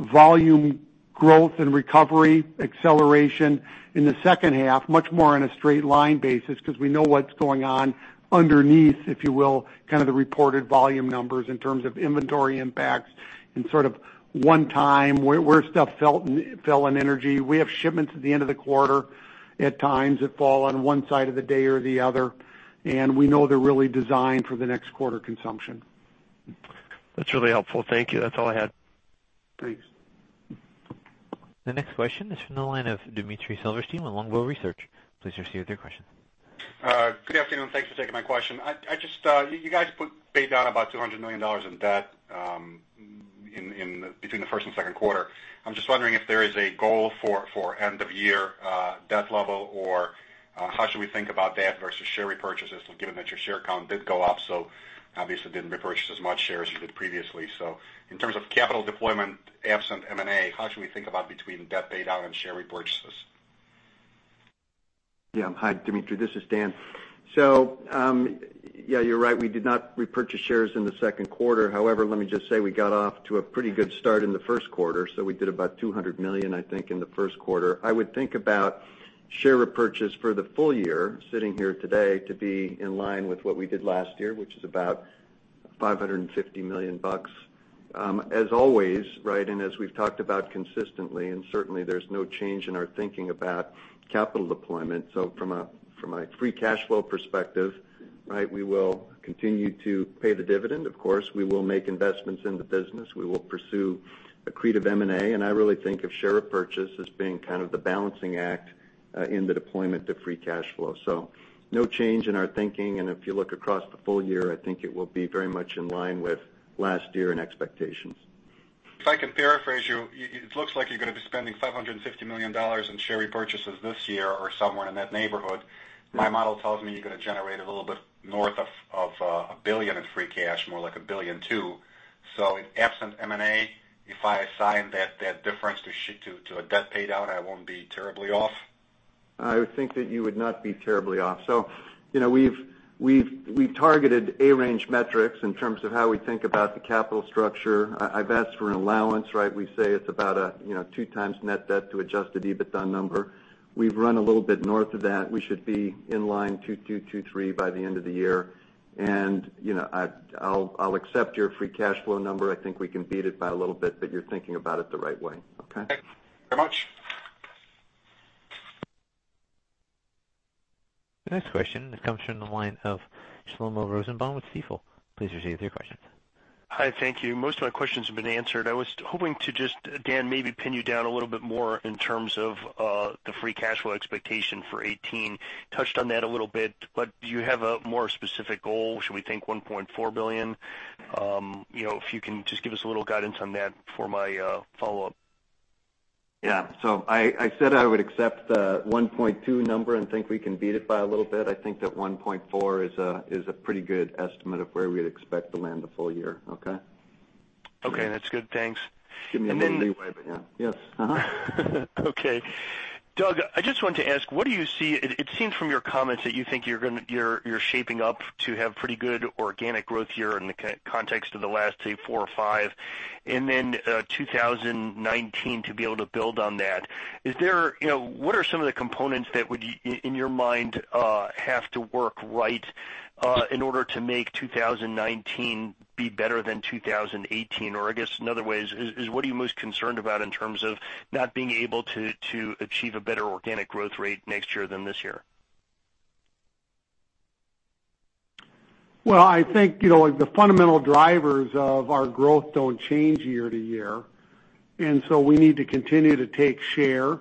volume growth and recovery acceleration in the second half, much more on a straight line basis because we know what's going on underneath, if you will, kind of the reported volume numbers in terms of inventory impacts and sort of one-time where stuff fell in energy. We have shipments at the end of the quarter at times that fall on one side of the day or the other, and we know they're really designed for the next quarter consumption. That's really helpful. Thank you. That's all I had. Thanks. The next question is from the line of Dmitry Silversteyn with Longbow Research. Please proceed with your question. Good afternoon. Thanks for taking my question. You guys paid down about $200 million in debt between the first and second quarter. I'm just wondering if there is a goal for end of year debt level, or how should we think about debt versus share repurchases, given that your share count did go up, so obviously didn't repurchase as much shares as you did previously. In terms of capital deployment absent M&A, how should we think about between debt paid down and share repurchases? Yeah. Hi, Dmitry. This is Dan. Yeah, you're right. We did not repurchase shares in the second quarter. However, let me just say, we got off to a pretty good start in the first quarter. We did about $200 million, I think, in the first quarter. I would think about share repurchase for the full year, sitting here today, to be in line with what we did last year, which is about $550 million. As always, as we've talked about consistently, certainly there's no change in our thinking about capital deployment. From a free cash flow perspective, we will continue to pay the dividend, of course. We will make investments in the business. We will pursue accretive M&A. I really think of share repurchase as being kind of the balancing act in the deployment of free cash flow. No change in our thinking, and if you look across the full year, I think it will be very much in line with last year in expectations. If I can paraphrase you, it looks like you're going to be spending $550 million in share repurchases this year or somewhere in that neighborhood. Yeah. My model tells me you are going to generate a little bit north of $1 billion in free cash, more like $1.2 billion. In absent M&A, if I assign that difference to a debt paid down, I will not be terribly off? I would think that you would not be terribly off. We have targeted average metrics in terms of how we think about the capital structure. I have asked for an allowance. We say it is about a 2 times net debt to adjusted EBITDA number. We have run a little bit north of that. We should be in line 2.2.3 by the end of the year. I will accept your free cash flow number. I think we can beat it by a little bit, but you are thinking about it the right way. Okay? Okay. Very much. The next question comes from the line of Shlomo Rosenbaum with Stifel. Please proceed with your question. Hi, thank you. Most of my questions have been answered. I was hoping to just, Dan, maybe pin you down a little bit more in terms of the free cash flow expectation for 2018. Touched on that a little bit, but do you have a more specific goal? Should we think $1.4 billion? If you can just give us a little guidance on that for my follow-up. Yeah. I said I would accept the $1.2 number and think we can beat it by a little bit. I think that $1.4 is a pretty good estimate of where we'd expect to land the full year. Okay? Okay, that's good. Thanks. Give me a little leeway, yeah. Yes. Okay. Doug, I just wanted to ask, it seems from your comments that you think you're shaping up to have pretty good organic growth here in the context of the last, say, four or five, then 2019 to be able to build on that. What are some of the components that would, in your mind, have to work right in order to make 2019 be better than 2018? Or, I guess in other ways, is what are you most concerned about in terms of not being able to achieve a better organic growth rate next year than this year? Well, I think the fundamental drivers of our growth don't change year to year. So we need to continue to take share,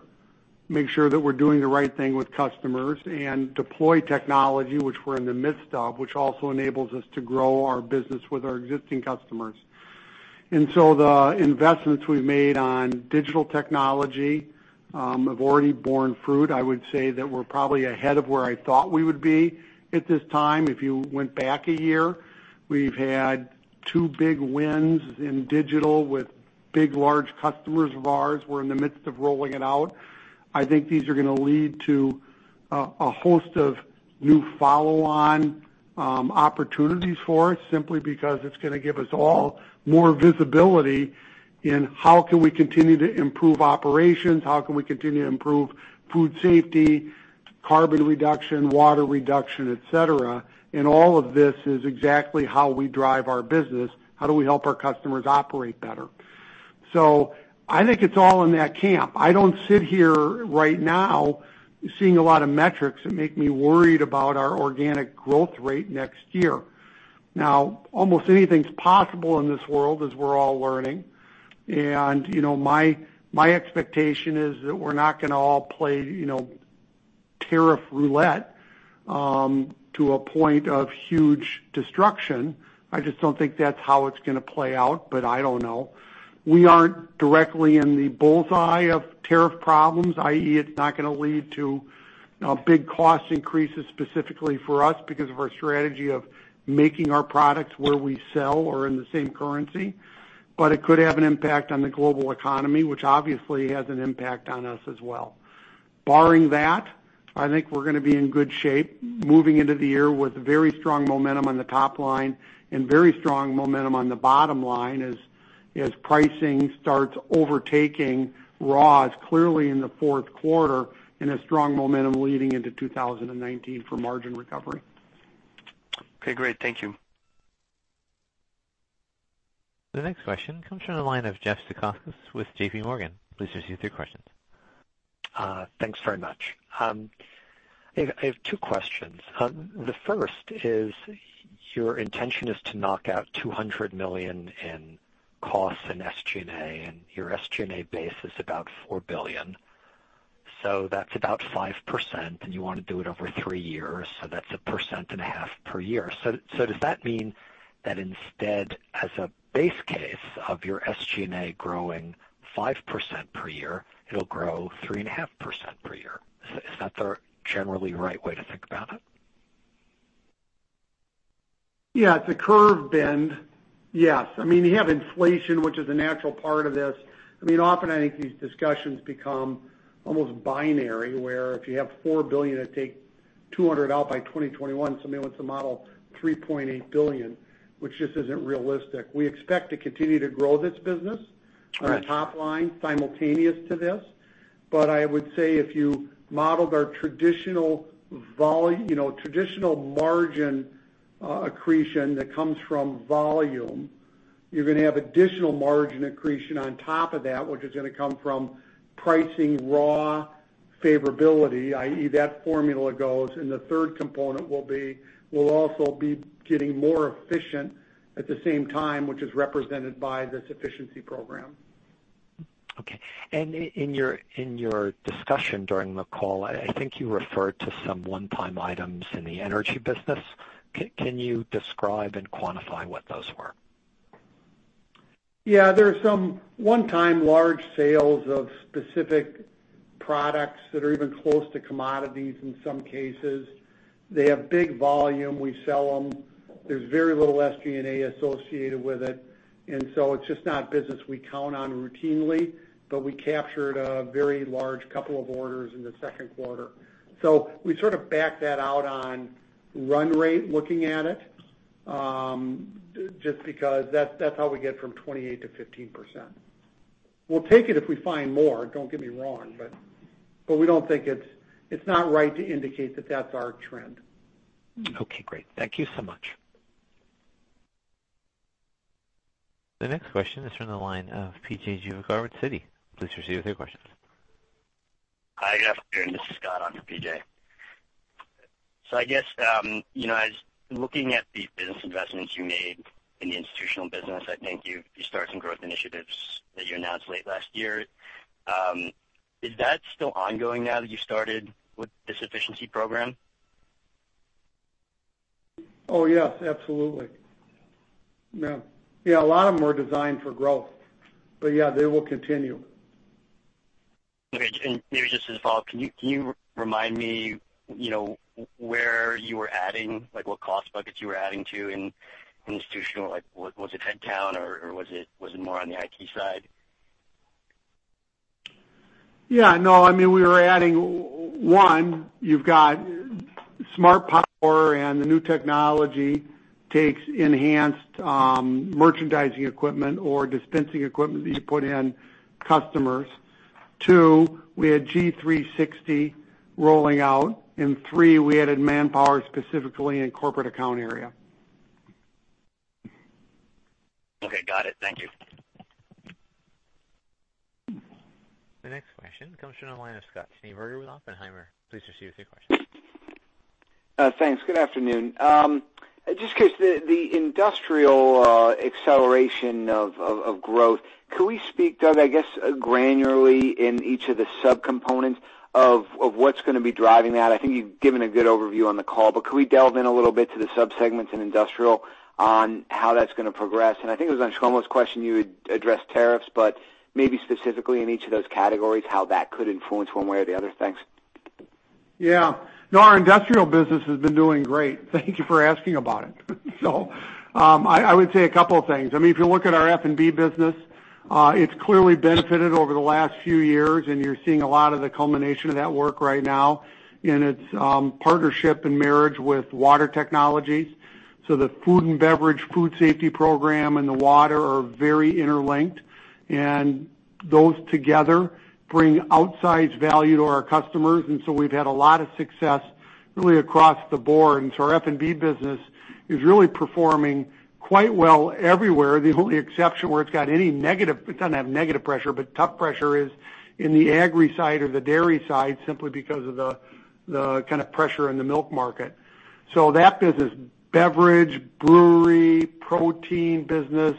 make sure that we're doing the right thing with customers, and deploy technology, which we're in the midst of, which also enables us to grow our business with our existing customers. So the investments we've made on digital technology have already borne fruit. I would say that we're probably ahead of where I thought we would be at this time if you went back a year. We've had two big wins in digital with big, large customers of ours. We're in the midst of rolling it out. I think these are gonna lead to a host of new follow-on opportunities for us, simply because it's gonna give us all more visibility in how can we continue to improve operations, how can we continue to improve food safety, carbon reduction, water reduction, et cetera. All of this is exactly how we drive our business. How do we help our customers operate better? I think it's all in that camp. I don't sit here right now seeing a lot of metrics that make me worried about our organic growth rate next year. Now, almost anything's possible in this world, as we're all learning. My expectation is that we're not gonna all play tariff roulette to a point of huge destruction. I just don't think that's how it's gonna play out, but I don't know. We aren't directly in the bullseye of tariff problems, i.e., it's not gonna lead to big cost increases specifically for us because of our strategy of making our products where we sell or in the same currency. It could have an impact on the global economy, which obviously has an impact on us as well. Barring that, I think we're gonna be in good shape moving into the year with very strong momentum on the top line and very strong momentum on the bottom line as pricing starts overtaking raws clearly in the fourth quarter, and a strong momentum leading into 2019 for margin recovery. Okay, great. Thank you. The next question comes from the line of Jeff Zekauskas with JPMorgan. Please proceed with your questions. Thanks very much. I have two questions. The first is, your intention is to knock out $200 million in costs in SG&A, and your SG&A base is about $4 billion. That's about 5%, and you want to do it over three years, that's 1.5% per year. Does that mean that instead, as a base case of your SG&A growing 5% per year, it'll grow 3.5% per year? Is that the generally right way to think about it? Yeah, the curve bend. Yes. You have inflation, which is a natural part of this. Often I think these discussions become almost binary, where if you have $4 billion, it take $200 million out by 2021, somebody wants to model $3.8 billion, which just isn't realistic. We expect to continue to grow this business- Right on the top line simultaneous to this. I would say if you modeled our traditional margin accretion that comes from volume, you're going to have additional margin accretion on top of that, which is going to come from pricing raw favorability, i.e., that formula goes. The third component will also be getting more efficient at the same time, which is represented by this efficiency program. In your discussion during the call, I think you referred to some one-time items in the energy business. Can you describe and quantify what those were? There are some one-time large sales of specific products that are even close to commodities in some cases. They have big volume. We sell them. There's very little SG&A associated with it's just not business we count on routinely, but we captured a very large couple of orders in the second quarter. We sort of backed that out on run rate looking at it, just because that's how we get from 28% to 15%. We'll take it if we find more, don't get me wrong, but we don't think it's right to indicate that that's our trend. Great. Thank you so much. The next question is from the line of P.J. Juvekar, Citi. Please proceed with your questions. Hi, good afternoon. This is Scott on for P.J. I guess, as looking at the business investments you made in the institutional business, I think you start some growth initiatives that you announced late last year. Is that still ongoing now that you started with this efficiency program? Oh, yes, absolutely. Yeah. A lot of them were designed for growth, but yeah, they will continue. Okay, maybe just as a follow-up, can you remind me where you were adding, like what cost buckets you were adding to in institutional? Was it headcount or was it more on the IT side? Yeah. No, we were adding one, you've got SMARTPOWER and the new technology takes enhanced merchandising equipment or dispensing equipment that you put in customers. Two, we had G360 rolling out. Three, we added manpower specifically in corporate account area. Okay. Got it. Thank you. The next question comes from the line of Scott Schneeberger with Oppenheimer. Please proceed with your question. Thanks. Good afternoon. Just because the industrial acceleration of growth, could we speak, Doug, I guess, granularly in each of the subcomponents of what's going to be driving that? I think you've given a good overview on the call, but could we delve in a little bit to the subsegments in industrial on how that's going to progress? I think it was on Shlomo's question, you had addressed tariffs, but maybe specifically in each of those categories, how that could influence one way or the other. Thanks. Yeah. Our industrial business has been doing great. Thank you for asking about it. I would say a couple of things. If you look at our F&B business, it's clearly benefited over the last few years, and you're seeing a lot of the culmination of that work right now in its partnership and marriage with water technologies. The food and beverage, food safety program, and the water are very interlinked, and those together bring outsized value to our customers. We've had a lot of success really across the board. Our F&B business is really performing quite well everywhere. The only exception where it's got any negative, it doesn't have negative pressure, but tough pressure is in the agri side or the dairy side, simply because of the kind of pressure in the milk market. That business, beverage, brewery, protein business,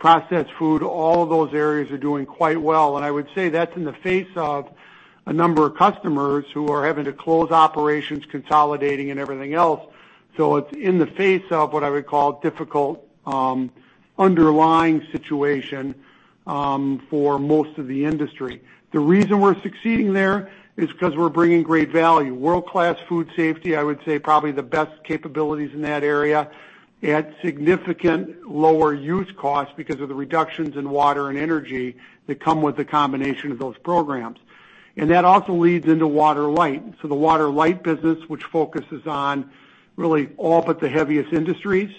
processed food, all of those areas are doing quite well. I would say that's in the face of a number of customers who are having to close operations, consolidating, and everything else. It's in the face of what I would call difficult underlying situation for most of the industry. The reason we're succeeding there is because we're bringing great value. World-class food safety, I would say probably the best capabilities in that area, at significant lower use costs because of the reductions in water and energy that come with the combination of those programs. That also leads into Water Light. The Water Light business, which focuses on really all but the heaviest industries.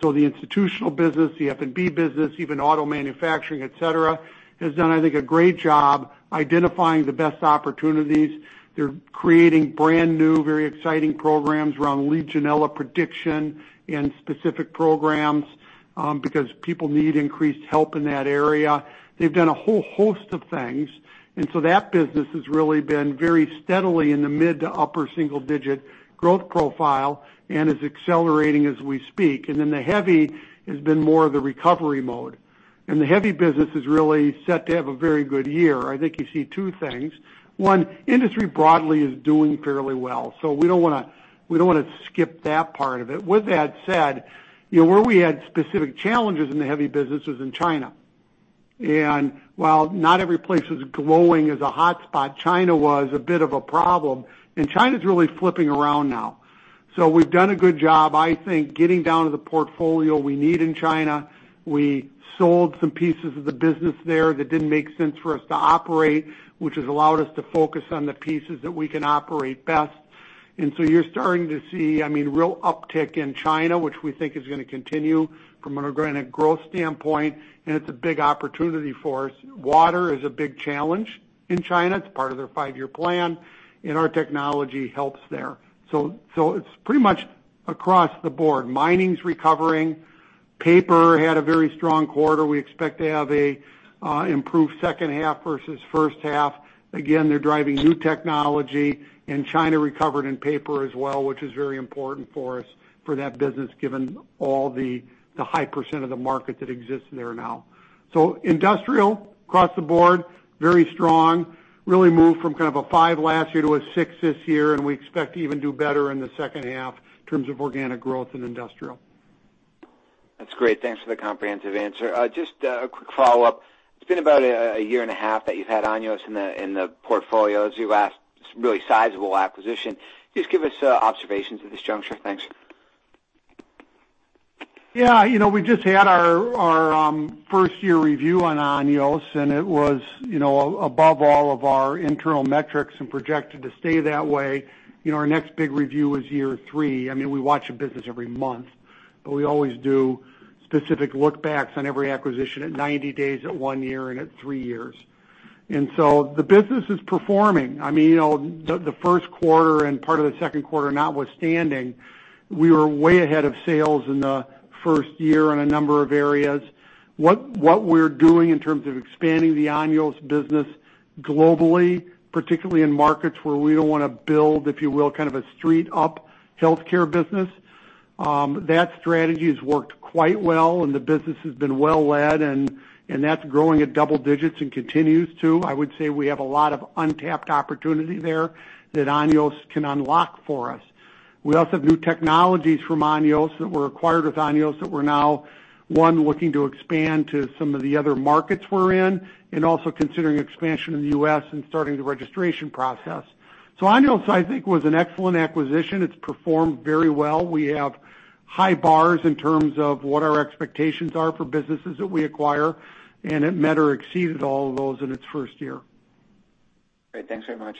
The institutional business, the F&B business, even auto manufacturing, et cetera, has done, I think a great job identifying the best opportunities. They're creating brand-new, very exciting programs around Legionella prediction and specific programs, because people need increased help in that area. They've done a whole host of things, that business has really been very steadily in the mid to upper single-digit growth profile and is accelerating as we speak. Then the heavy has been more of the recovery mode. The heavy business is really set to have a very good year. I think you see two things. One, industry broadly is doing fairly well, we don't want to skip that part of it. With that said, where we had specific challenges in the heavy business was in China. While not every place is glowing as a hotspot, China was a bit of a problem, and China's really flipping around now. We've done a good job, I think, getting down to the portfolio we need in China. We sold some pieces of the business there that didn't make sense for us to operate, which has allowed us to focus on the pieces that we can operate best. You're starting to see real uptick in China, which we think is going to continue from an organic growth standpoint, and it's a big opportunity for us. Water is a big challenge in China. It's part of their five-year plan, our technology helps there. It's pretty much across the board. Mining's recovering. Paper had a very strong quarter. We expect to have an improved second half versus first half. They're driving new technology, and China recovered in paper as well, which is very important for us for that business given all the high percent of the market that exists there now. Industrial, across the board, very strong. Really moved from kind of a five last year to a six this year, and we expect to even do better in the second half in terms of organic growth in industrial. That's great. Thanks for the comprehensive answer. Just a quick follow-up. It's been about a year and a half that you've had Anios in the portfolio. It's a really sizable acquisition. Just give us observations at this juncture. Thanks. Yeah. We just had our first-year review on Anios, and it was above all of our internal metrics and projected to stay that way. Our next big review is year three. We watch a business every month, but we always do specific look-backs on every acquisition at 90 days, at one year, and at three years. The business is performing. The first quarter and part of the second quarter notwithstanding, we were way ahead of sales in the first year in a number of areas. What we're doing in terms of expanding the Anios business globally, particularly in markets where we don't want to build, if you will, kind of a street-up healthcare business, that strategy has worked quite well, and the business has been well-led, and that's growing at double digits and continues to. I would say we have a lot of untapped opportunity there that Anios can unlock for us. We also have new technologies from Anios that were acquired with Anios that we're now, one, looking to expand to some of the other markets we're in, and also considering expansion in the U.S. and starting the registration process. Anios, I think, was an excellent acquisition. It's performed very well. We have high bars in terms of what our expectations are for businesses that we acquire, and it met or exceeded all of those in its first year. Great. Thanks very much.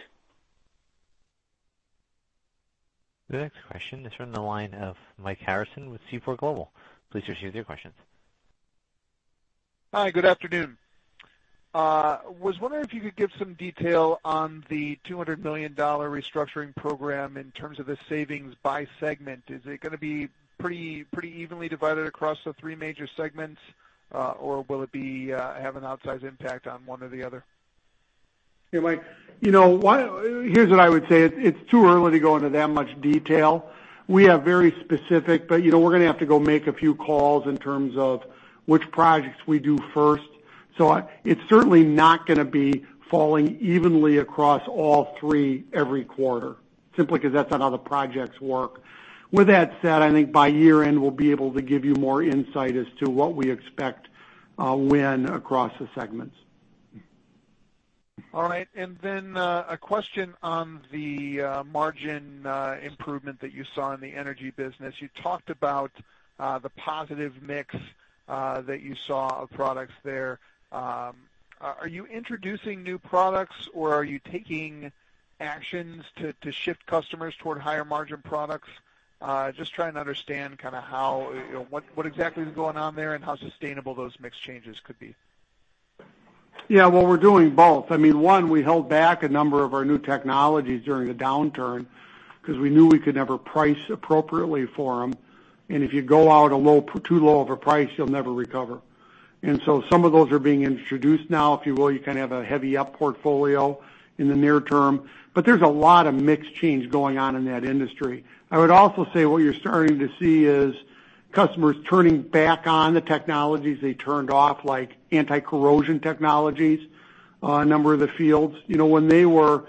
The next question is from the line of Mike Harrison with Seaport Global. Please proceed with your questions. Hi, good afternoon. Was wondering if you could give some detail on the $200 million restructuring program in terms of the savings by segment. Is it going to be pretty evenly divided across the three major segments, or will it have an outsized impact on one or the other? Hey, Mike. Here's what I would say. It's too early to go into that much detail. We have very specific, but we're going to have to go make a few calls in terms of which projects we do first. It's certainly not going to be falling evenly across all three every quarter, simply because that's not how the projects work. With that said, I think by year-end, we'll be able to give you more insight as to what we expect when across the segments. All right. A question on the margin improvement that you saw in the energy business. You talked about the positive mix that you saw of products there. Are you introducing new products, or are you taking actions to shift customers toward higher margin products? Just trying to understand what exactly is going on there and how sustainable those mix changes could be. Well, we're doing both. One, we held back a number of our new technologies during the downturn because we knew we could never price appropriately for them. If you go out too low of a price, you'll never recover. Some of those are being introduced now. If you will, you kind of have a heavy up portfolio in the near term, but there's a lot of mix change going on in that industry. I would also say what you're starting to see is customers turning back on the technologies they turned off, like anti-corrosion technologies, a number of the fields. When they were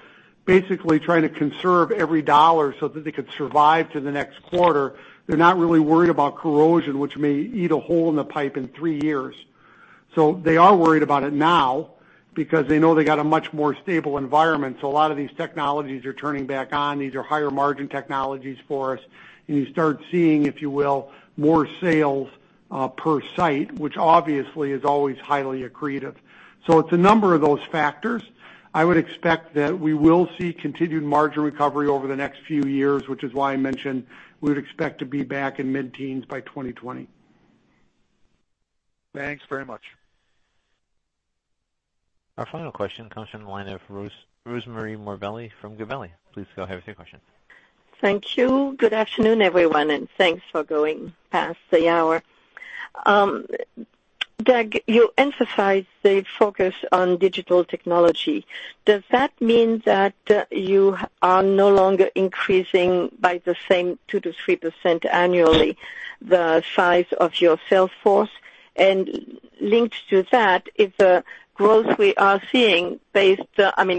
basically trying to conserve every dollar so that they could survive to the next quarter, they're not really worried about corrosion, which may eat a hole in the pipe in three years. They are worried about it now because they know they got a much more stable environment. A lot of these technologies are turning back on. These are higher margin technologies for us. You start seeing, if you will, more sales per site, which obviously is always highly accretive. It's a number of those factors. I would expect that we will see continued margin recovery over the next few years, which is why I mentioned we would expect to be back in mid-teens by 2020. Thanks very much. Our final question comes from the line of Rosemarie Morbelli from Gabelli & Company. Please go ahead with your question. Thank you. Good afternoon, everyone, and thanks for going past the hour. Doug, you emphasized the focus on digital technology. Does that mean that you are no longer increasing by the same 2%-3% annually the size of your sales force? Linked to that, is the growth we are seeing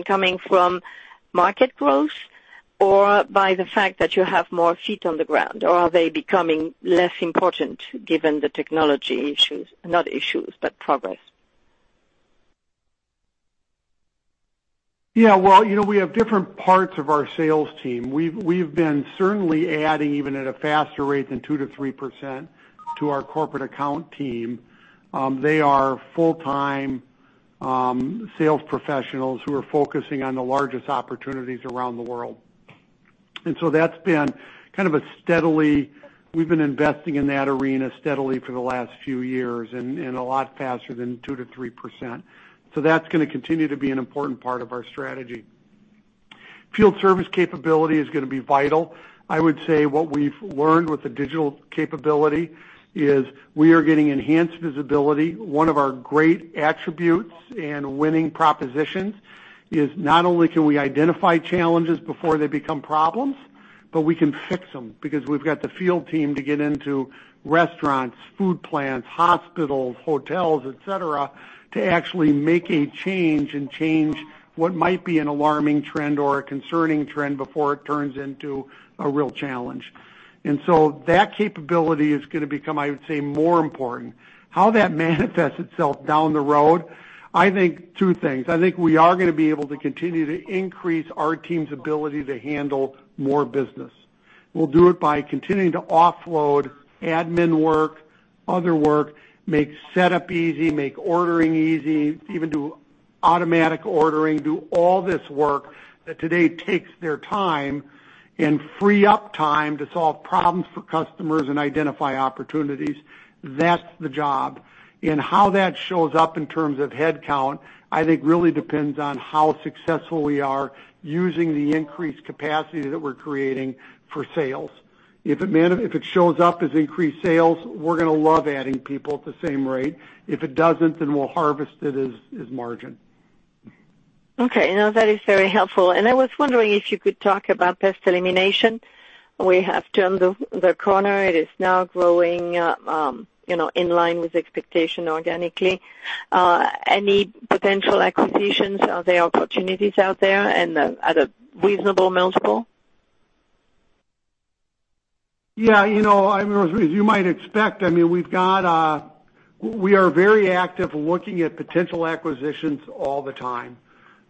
coming from market growth? By the fact that you have more feet on the ground, or are they becoming less important given the technology issues, not issues, but progress? We have different parts of our sales team. We've been certainly adding even at a faster rate than 2%-3% to our corporate account team. They are full-time sales professionals who are focusing on the largest opportunities around the world. That's been kind of a We've been investing in that arena steadily for the last few years and a lot faster than 2%-3%. That's going to continue to be an important part of our strategy. Field service capability is going to be vital. I would say what we've learned with the digital capability is we are getting enhanced visibility. One of our great attributes and winning propositions is not only can we identify challenges before they become problems, but we can fix them because we've got the field team to get into restaurants, food plants, hospitals, hotels, et cetera, to actually make a change and change what might be an alarming trend or a concerning trend before it turns into a real challenge. That capability is going to become, I would say, more important. How that manifests itself down the road, I think two things. We are going to be able to continue to increase our team's ability to handle more business. We'll do it by continuing to offload admin work, other work, make setup easy, make ordering easy, even do automatic ordering, do all this work that today takes their time, and free up time to solve problems for customers and identify opportunities. That's the job. How that shows up in terms of headcount, I think really depends on how successful we are using the increased capacity that we're creating for sales. If it shows up as increased sales, we're going to love adding people at the same rate. If it doesn't, then we'll harvest it as margin. Okay. No, that is very helpful. I was wondering if you could talk about pest elimination. We have turned the corner. It is now growing in line with expectation organically. Any potential acquisitions? Are there opportunities out there and at a reasonable multiple? Yeah. As you might expect, we are very active looking at potential acquisitions all the time.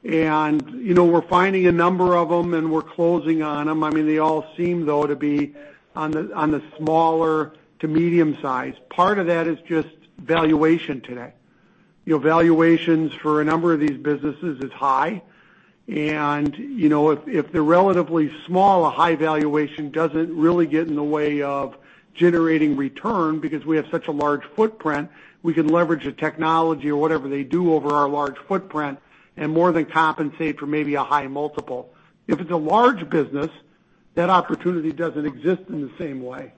We're finding a number of them, and we're closing on them. They all seem, though, to be on the smaller to medium size. Part of that is just valuation today. Valuations for a number of these businesses is high. If they're relatively small, a high valuation doesn't really get in the way of generating return because we have such a large footprint. We can leverage the technology or whatever they do over our large footprint and more than compensate for maybe a high multiple. If it's a large business, that opportunity doesn't exist in the same way.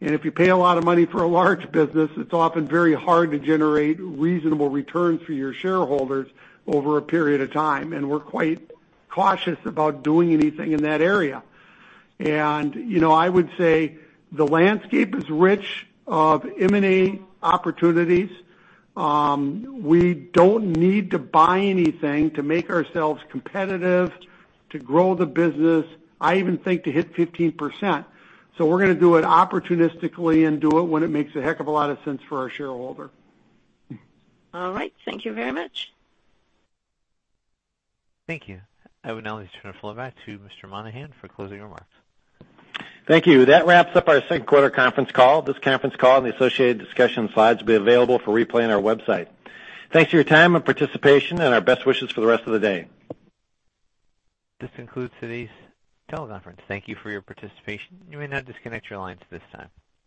If you pay a lot of money for a large business, it's often very hard to generate reasonable returns for your shareholders over a period of time, and we're quite cautious about doing anything in that area. I would say the landscape is rich of M&A opportunities. We don't need to buy anything to make ourselves competitive, to grow the business, I even think to hit 15%. We're going to do it opportunistically and do it when it makes a heck of a lot of sense for our shareholder. All right. Thank you very much. Thank you. I would now like to turn the floor back to Mr. Monahan for closing remarks. Thank you. That wraps up our second quarter conference call. This conference call and the associated discussion slides will be available for replay on our website. Thanks for your time and participation, and our best wishes for the rest of the day. This concludes today's teleconference. Thank you for your participation. You may now disconnect your lines at this time.